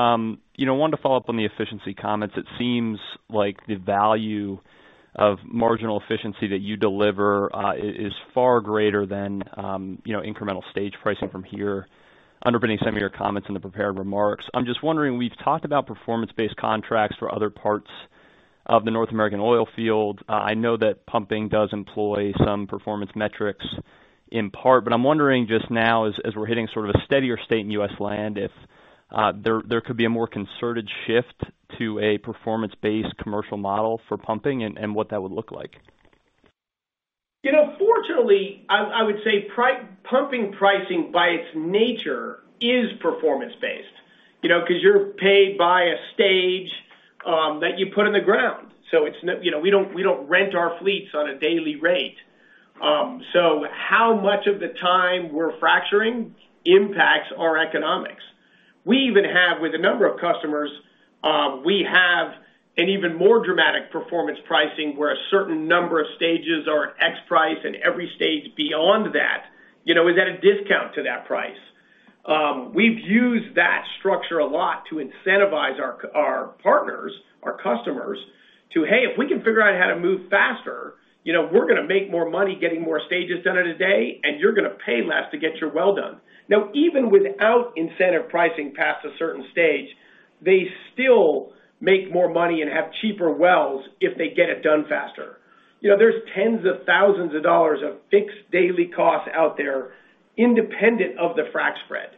wanted to follow up on the efficiency comments. It seems like the value of marginal efficiency that you deliver is far greater than incremental stage pricing from here, underpinning some of your comments in the prepared remarks. I'm just wondering, we've talked about performance-based contracts for other parts of the North American oilfield. I know that pumping does employ some performance metrics in part, but I'm wondering just now as we're hitting sort of a steadier state in U.S. land, if there could be a more concerted shift to a performance-based commercial model for pumping and what that would look like. You know, fortunately, I would say pumping pricing by its nature is performance-based, because you're paid by a stage that you put in the ground. We don't rent our fleets on a daily rate. How much of the time we're fracturing impacts our economics. We even have, with a number of customers, we have an even more dramatic performance pricing, where a certain number of stages are at X price, and every stage beyond that, is at a discount to that price. We've used that structure a lot to incentivize our partners, our customers to, hey, if we can figure out how to move faster, we're going to make more money getting more stages done in a day, and you're going to pay less to get your well done. Even without incentive pricing past a certain stage, they still make more money and have cheaper wells if they get it done faster. There's tens of thousands of dollars of fixed daily costs out there independent of the frac spread.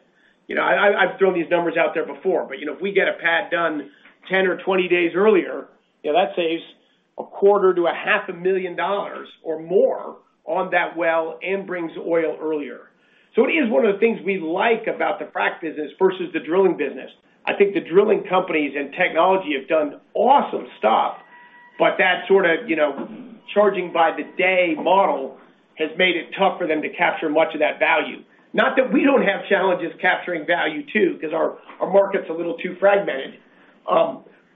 I've thrown these numbers out there before, but if we get a pad done 10 or 20 days earlier, that saves a quarter to a half a million dollars or more on that well, and brings oil earlier. It is one of the things we like about the frac business versus the drilling business. I think the drilling companies and technology have done awesome stuff, but that sort of charging by the day model has made it tough for them to capture much of that value. Not that we don't have challenges capturing value too, because our market's a little too fragmented.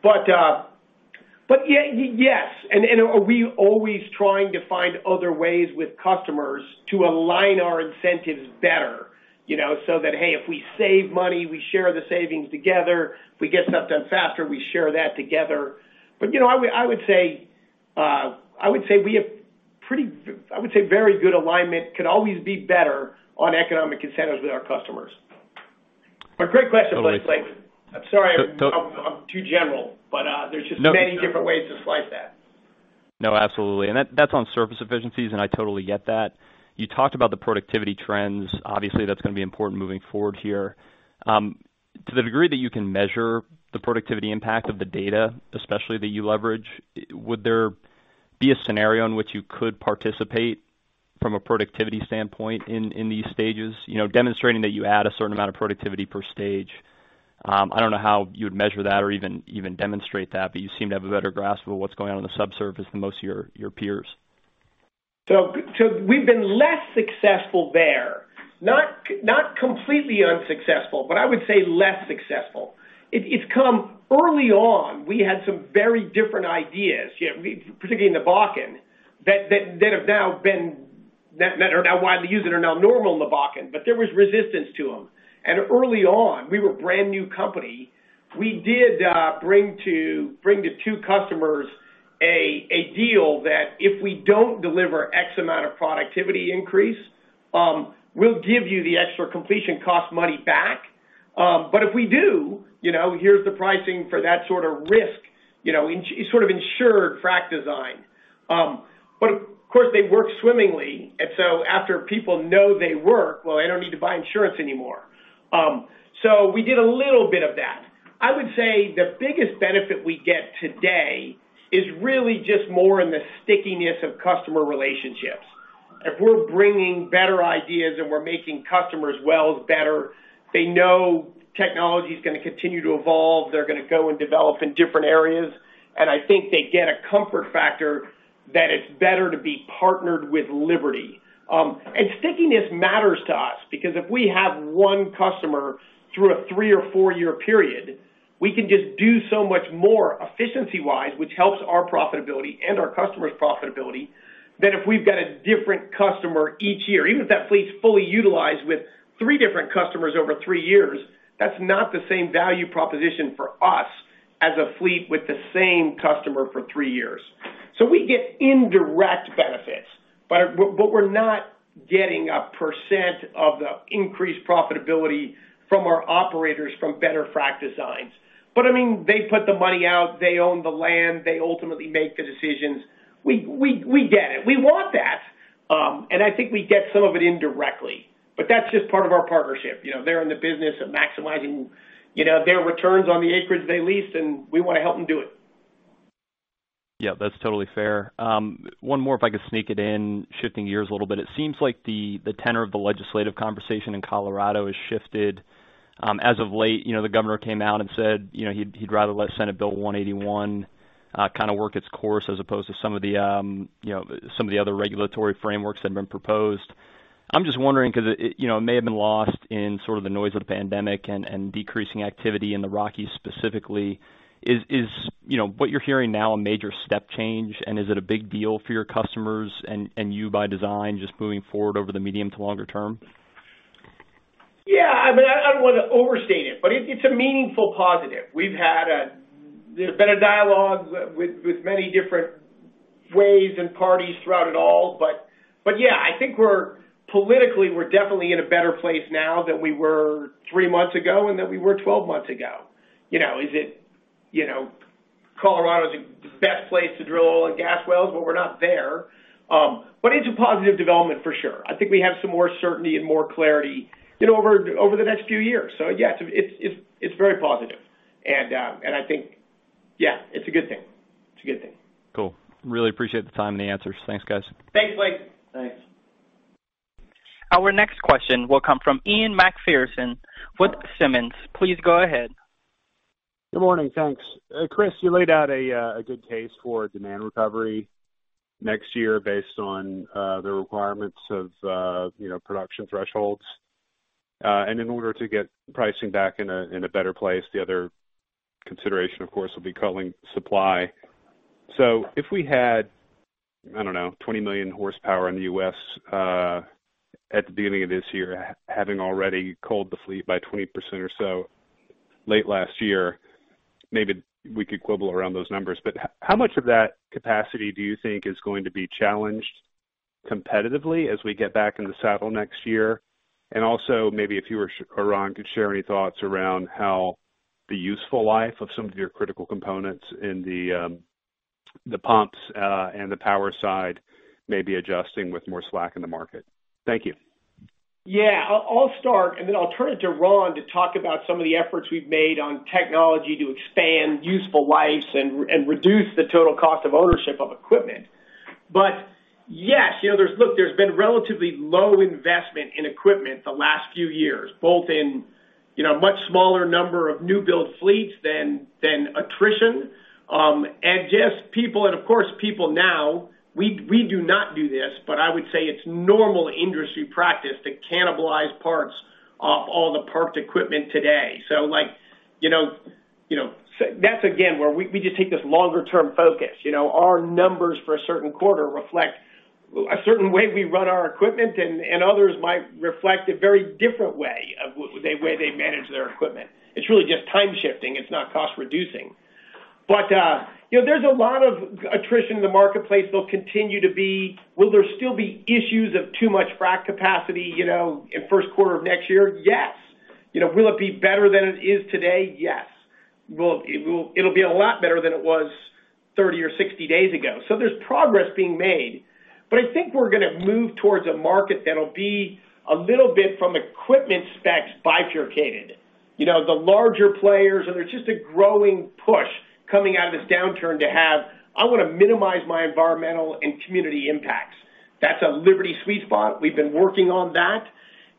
But, yes, we always trying to find other ways with customers to align our incentives better, so that, hey, if we save money, we share the savings together. If we get stuff done faster, we share that together. I would say very good alignment could always be better on economic incentives with our customers. Great question, Blake. I'm sorry if I'm too general, but there's just many different ways to slice that. No, absolutely. That's on surface efficiencies, and I totally get that. You talked about the productivity trends. Obviously, that's going to be important moving forward here. To the degree that you can measure the productivity impact of the data, especially that you leverage, would there be a scenario in which you could participate from a productivity standpoint in these stages, demonstrating that you add a certain amount of productivity per stage? I don't know how you would measure that or even demonstrate that, but you seem to have a better grasp of what's going on in the subsurface than most of your peers. We've been less successful there. Not completely unsuccessful, I would say less successful. Early on, we had some very different ideas, particularly in the Bakken, that are now widely used and are now normal in the Bakken, there was resistance to them. Early on, we were a brand-new company. We did bring to two customers a deal that if we don't deliver X amount of productivity increase, we'll give you the extra completion cost money back. If we do, here's the pricing for that sort of risk, sort of insured frac design. Of course, they work swimmingly, after people know they work, well, they don't need to buy insurance anymore. We did a little bit of that. I would say the biggest benefit we get today is really just more in the stickiness of customer relationships. If we're bringing better ideas and we're making customers' wells better, they know technology's going to continue to evolve. They're going to go and develop in different areas. I think they get a comfort factor that it's better to be partnered with Liberty. Stickiness matters to us, because if we have one customer through a three or four-year period, we can just do so much more efficiency-wise, which helps our profitability and our customers' profitability, than if we've got a different customer each year. Even if that fleet's fully utilized with three different customers over three years, that's not the same value proposition for us as a fleet with the same customer for three years. We get indirect benefits, but we're not getting a percent of the increased profitability from our operators from better frac designs. But, I mean they put the money out. They own the land. They ultimately make the decisions. We get it. We want that. I think we get some of it indirectly. That's just part of our partnership. They're in the business of maximizing their returns on the acreage they lease, and we want to help them do it. Yeah, that's totally fair. One more if I could sneak it in, shifting gears a little bit. It seems like the tenor of the legislative conversation in Colorado has shifted. As of late, the governor came out and said he'd rather let Senate Bill 181 kind of work its course as opposed to some of the other regulatory frameworks that have been proposed. I'm just wondering, because it may have been lost in sort of the noise of the pandemic and decreasing activity in the Rockies specifically. Is what, you know, you're hearing now a major step change, and is it a big deal for your customers and you by design just moving forward over the medium to longer term? Yeah, I don't want to overstate it, but it's a meaningful positive. We've had, there's been a dialogue with many different ways and parties throughout it all. Yeah, I think politically, we're definitely in a better place now than we were three months ago and than we were 12 months ago. Is it Colorado is the best place to drill oil and gas wells? Well, we're not there. But it's a positive development for sure. I think we have some more certainty and more clarity over the next few years. Yes, it's very positive. I think, yeah, it's a good thing. A good thing. Cool. Really appreciate the time and the answers. Thanks, guys. Thanks, Blake. Thanks. Our next question will come from Ian MacPherson with Simmons. Please go ahead. Good morning. Thanks. Chris, you laid out a good case for demand recovery next year based on the requirements of production thresholds. In order to get pricing back in a better place, the other consideration, of course, will be culling supply. If we had, I don't know, 20 million horsepower in the U.S. at the beginning of this year, having already culled the fleet by 20% or so late last year, maybe we could quibble around those numbers, but how much of that capacity do you think is going to be challenged competitively as we get back in the saddle next year? Also maybe if you or Ron could share any thoughts around how the useful life of some of your critical components in the pumps and the power side may be adjusting with more slack in the market. Thank you. Yeah, I'll start, and then I'll turn it to Ron to talk about some of the efforts we've made on technology to expand useful lives and reduce the total cost of ownership of equipment. Yes, look, there's been relatively low investment in equipment the last few years, both in a much smaller number of new build fleets than attrition. Just people, and of course, people now, we do not do this, but I would say it's normal industry practice to cannibalize parts off all the parked equipment today. That's again, where we just take this longer-term focus. Our numbers for a certain quarter reflect a certain way we run our equipment and others might reflect a very different way of the way they manage their equipment. It's really just time shifting. It's not cost reducing. There's a lot of attrition in the marketplace. There'll continue to be. Will there still be issues of too much frac capacity in first quarter of next year? Yes. Will it be better than it is today? Yes. It'll be a lot better than it was 30 or 60 days ago. There's progress being made. I think we're going to move towards a market that'll be a little bit from equipment specs bifurcated. The larger players, and there's just a growing push coming out of this downturn to have, "I want to minimize my environmental and community impacts." That's a Liberty sweet spot. We've been working on that.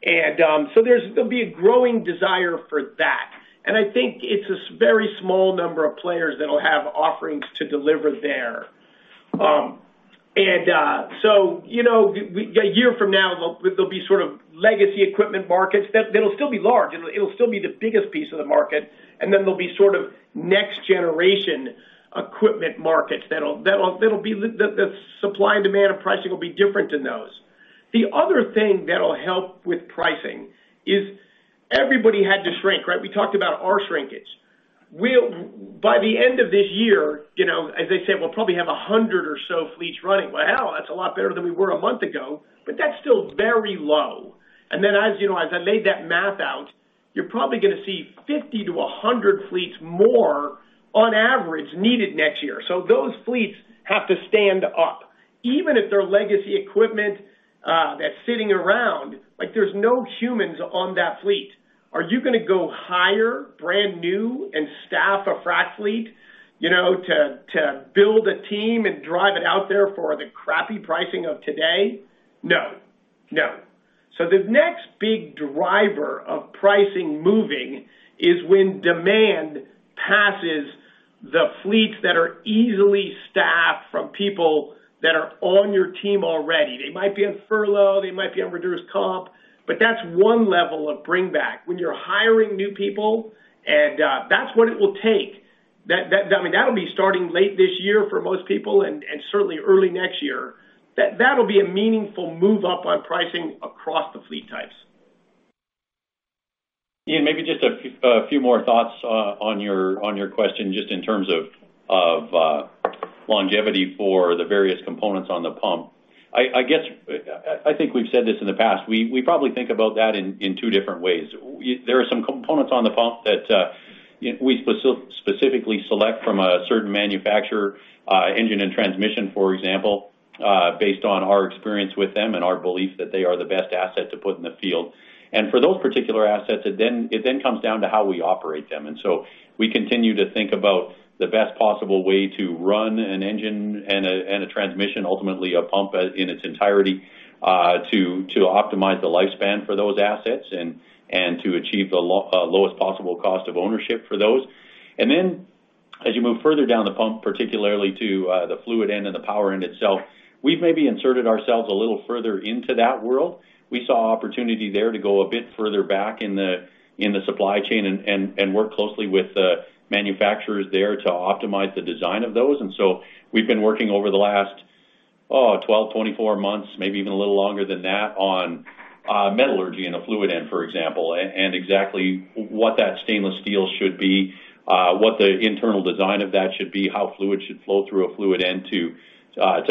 There'll be a growing desire for that. I think it's a very small number of players that'll have offerings to deliver there. A year from now, there'll be sort of legacy equipment markets that'll still be large. It'll still be the biggest piece of the market, then there'll be sort of next generation equipment markets. The supply and demand and pricing will be different in those. The other thing that'll help with pricing is everybody had to shrink, right? We talked about our shrinkage. By the end of this year, as I said, we'll probably have 100 or so fleets running. Hell, that's a lot better than we were a month ago, but that's still very low. As I laid that math out, you're probably gonna see 50-100 fleets more on average needed next year. Those fleets have to stand up. Even if they're legacy equipment that's sitting around, there's no humans on that fleet. Are you gonna go hire brand new and staff a frac fleet to build a team and drive it out there for the crappy pricing of today? No. The next big driver of pricing moving is when demand passes the fleets that are easily staffed from people that are on your team already. They might be on furlough, they might be on reduced comp, but that's one level of bring back. When you're hiring new people, and that's what it will take. That'll be starting late this year for most people and certainly early next year. That'll be a meaningful move up on pricing across the fleet types. Ian, maybe just a few more thoughts on your question, just in terms of longevity for the various components on the pump. I guess, I think we've said this in the past. We probably think about that in two different ways. There are some components on the pump that we specifically select from a certain manufacturer, engine and transmission, for example, based on our experience with them and our belief that they are the best asset to put in the field. For those particular assets, it then comes down to how we operate them. We continue to think about the best possible way to run an engine and a transmission, ultimately a pump in its entirety, to optimize the lifespan for those assets and to achieve the lowest possible cost of ownership for those. As you move further down the pump, particularly to the fluid end and the power end itself, we've maybe inserted ourselves a little further into that world. We saw opportunity there to go a bit further back in the supply chain and work closely with the manufacturers there to optimize the design of those. We've been working over the last 12, 24 months, maybe even a little longer than that on metallurgy in a fluid end, for example, and exactly what that stainless steel should be, what the internal design of that should be, how fluid should flow through a fluid end to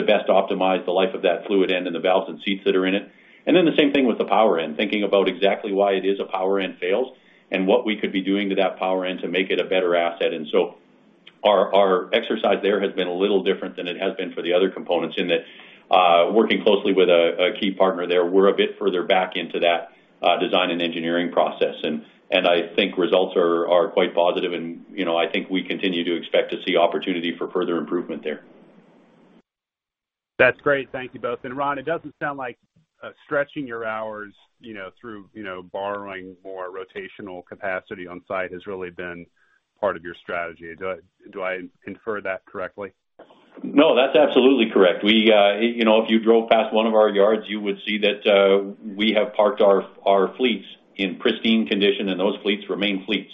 best optimize the life of that fluid end and the valves and seats that are in it. The same thing with the power end, thinking about exactly why it is a power end fails, and what we could be doing to that power end to make it a better asset. Our exercise there has been a little different than it has been for the other components in that working closely with a key partner there, we're a bit further back into that design and engineering process. I think results are quite positive and I think we continue to expect to see opportunity for further improvement there. That's great. Thank you both. Ron, it doesn't sound like stretching your hours through borrowing more rotational capacity on site has really been part of your strategy. Do I infer that correctly? No, that's absolutely correct. If you drove past one of our yards, you would see that we have parked our fleets in pristine condition, and those fleets remain fleets.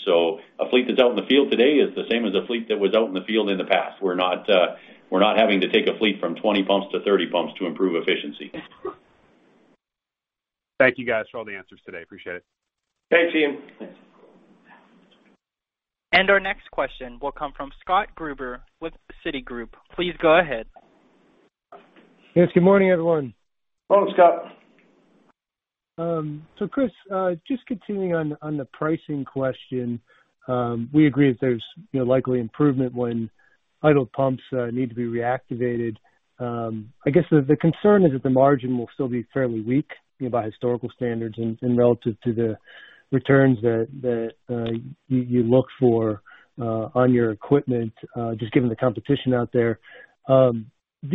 A fleet that's out in the field today is the same as a fleet that was out in the field in the past. We're not having to take a fleet from 20 pumps-30 pumps to improve efficiency. Thank you guys for all the answers today. Appreciate it. Thanks, Ian. Our next question will come from Scott Gruber with Citigroup. Please go ahead. Yes, good morning, everyone. Hello, Scott. Chris, just continuing on the pricing question. We agree that there's likely improvement when idle pumps need to be reactivated. I guess the concern is that the margin will still be fairly weak by historical standards and relative to the returns that you look for on your equipment, just given the competition out there. Do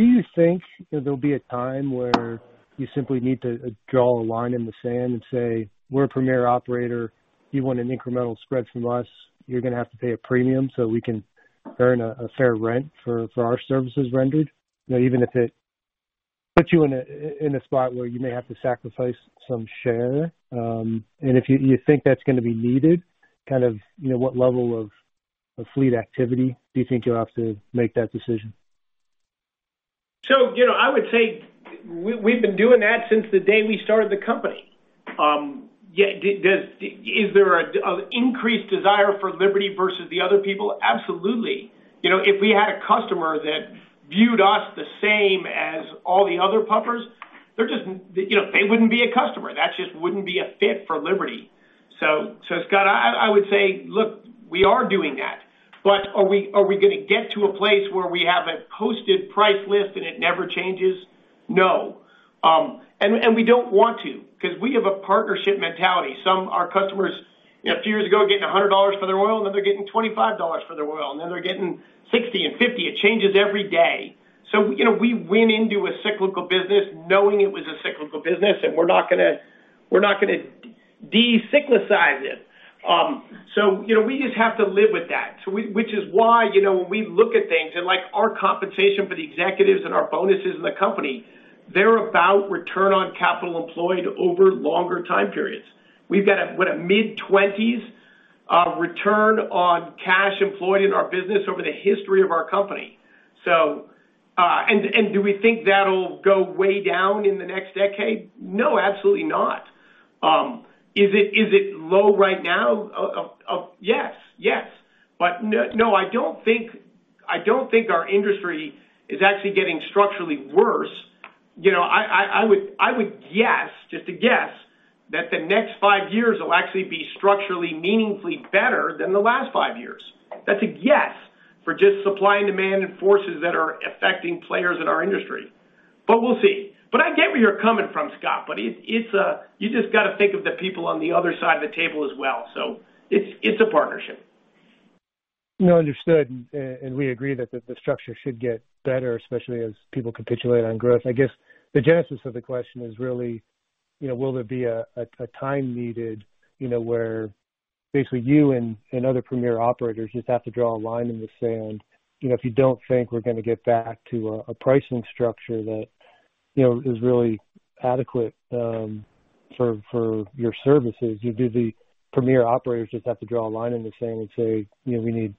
you think there'll be a time where you simply need to draw a line in the sand and say, "We're a premier operator. You want an incremental spread from us, you're gonna have to pay a premium so we can earn a fair rent for our services rendered." Even if it puts you in a spot where you may have to sacrifice some share. If you think that's gonna be needed, what kind of, what level of fleet activity do you think you'll have to make that decision? I would say we've been doing that since the day we started the company. Is there an increased desire for Liberty versus the other people? Absolutely. If we had a customer that viewed us the same as all the other pumpers, they wouldn't be a customer. That just wouldn't be a fit for Liberty. Scott, I would say, look, we are doing that. But, are we going get to a place where we have a posted price list and it never changes? No. We don't want to, because we have a partnership mentality. Some our customers, a few years ago, getting $100 for their oil, and then they're getting $25 for their oil, and then they're getting $60 and $50. It changes every day. We went into a cyclical business knowing it was a cyclical business, and we're not gonna de-cyclize it. We just have to live with that. Which is why when we look at things and our compensation for the executives and our bonuses in the company, they're about return on capital employed over longer time periods. We've got a, what, a mid-20s return on cash employed in our business over the history of our company. Do we think that'll go way down in the next decade? No, absolutely not. Is it low right now? Yes, yes. But, no, I don't think our industry is actually getting structurally worse. I would guess, just to guess, that the next five years will actually be structurally meaningfully better than the last five years. That's a guess for just supply and demand and forces that are affecting players in our industry. We'll see. I get where you're coming from, Scott, but you just got to think of the people on the other side of the table as well. It's a partnership. No, understood. We agree that the structure should get better, especially as people capitulate on growth. I guess the genesis of the question is really, will there be a time needed, you know, where basically you and other premier operators just have to draw a line in the sand? If you don't think we're going to get back to a pricing structure that is really adequate for your services, do the premier operators just have to draw a line in the sand and say, "We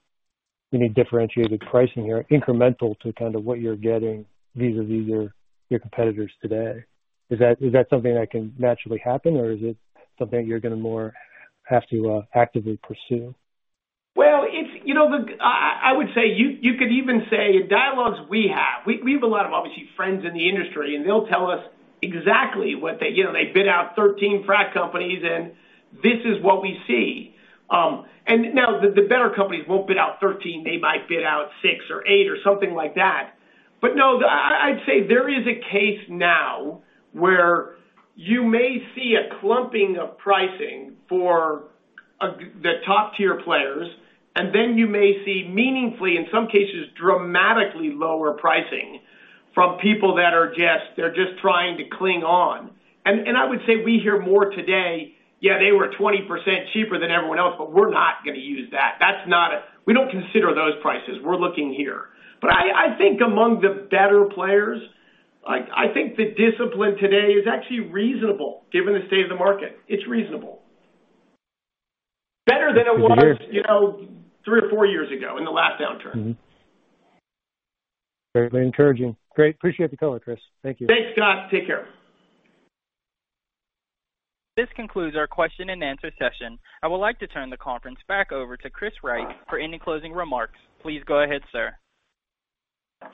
need differentiated pricing here," incremental to kind of what you're getting vis-à-vis your competitors today. Is that something that can naturally happen or is it something you're going to more have to actively pursue? Well, I would say you could even say dialogues we have. We have a lot of, obviously, friends in the industry. They'll tell us exactly what they bid out 13 frac companies. This is what we see. Now the better companies won't bid out 13. They might bid out six or eight or something like that. But, no, I'd say there is a case now where you may see a clumping of pricing for the top-tier players. Then you may see meaningfully, in some cases, dramatically lower pricing from people that are just trying to cling on. I would say we hear more today, Yeah, they were 20% cheaper than everyone else. We're not gonna use that. We don't consider those prices. We're looking here. I think among the better players, I think the discipline today is actually reasonable given the state of the market. It's reasonable. Better than it was three or four years ago in the last downturn. Very encouraging. Great. Appreciate the color, Chris. Thank you. Thanks, Scott. Take care. This concludes our question-and-answer session. I would like to turn the conference back over to Chris Wright for any closing remarks. Please go ahead, sir.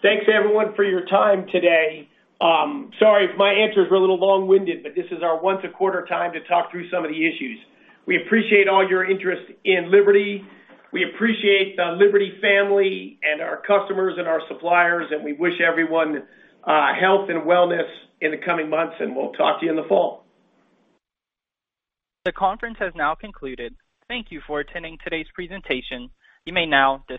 Thanks everyone for your time today. Sorry if my answers were a little long-winded. This is our once a quarter time to talk through some of the issues. We appreciate all your interest in Liberty. We appreciate the Liberty family and our customers and our suppliers. We wish everyone health and wellness in the coming months, and we'll talk to you in the fall. The conference has now concluded. Thank you for attending today's presentation. You may now disconnect.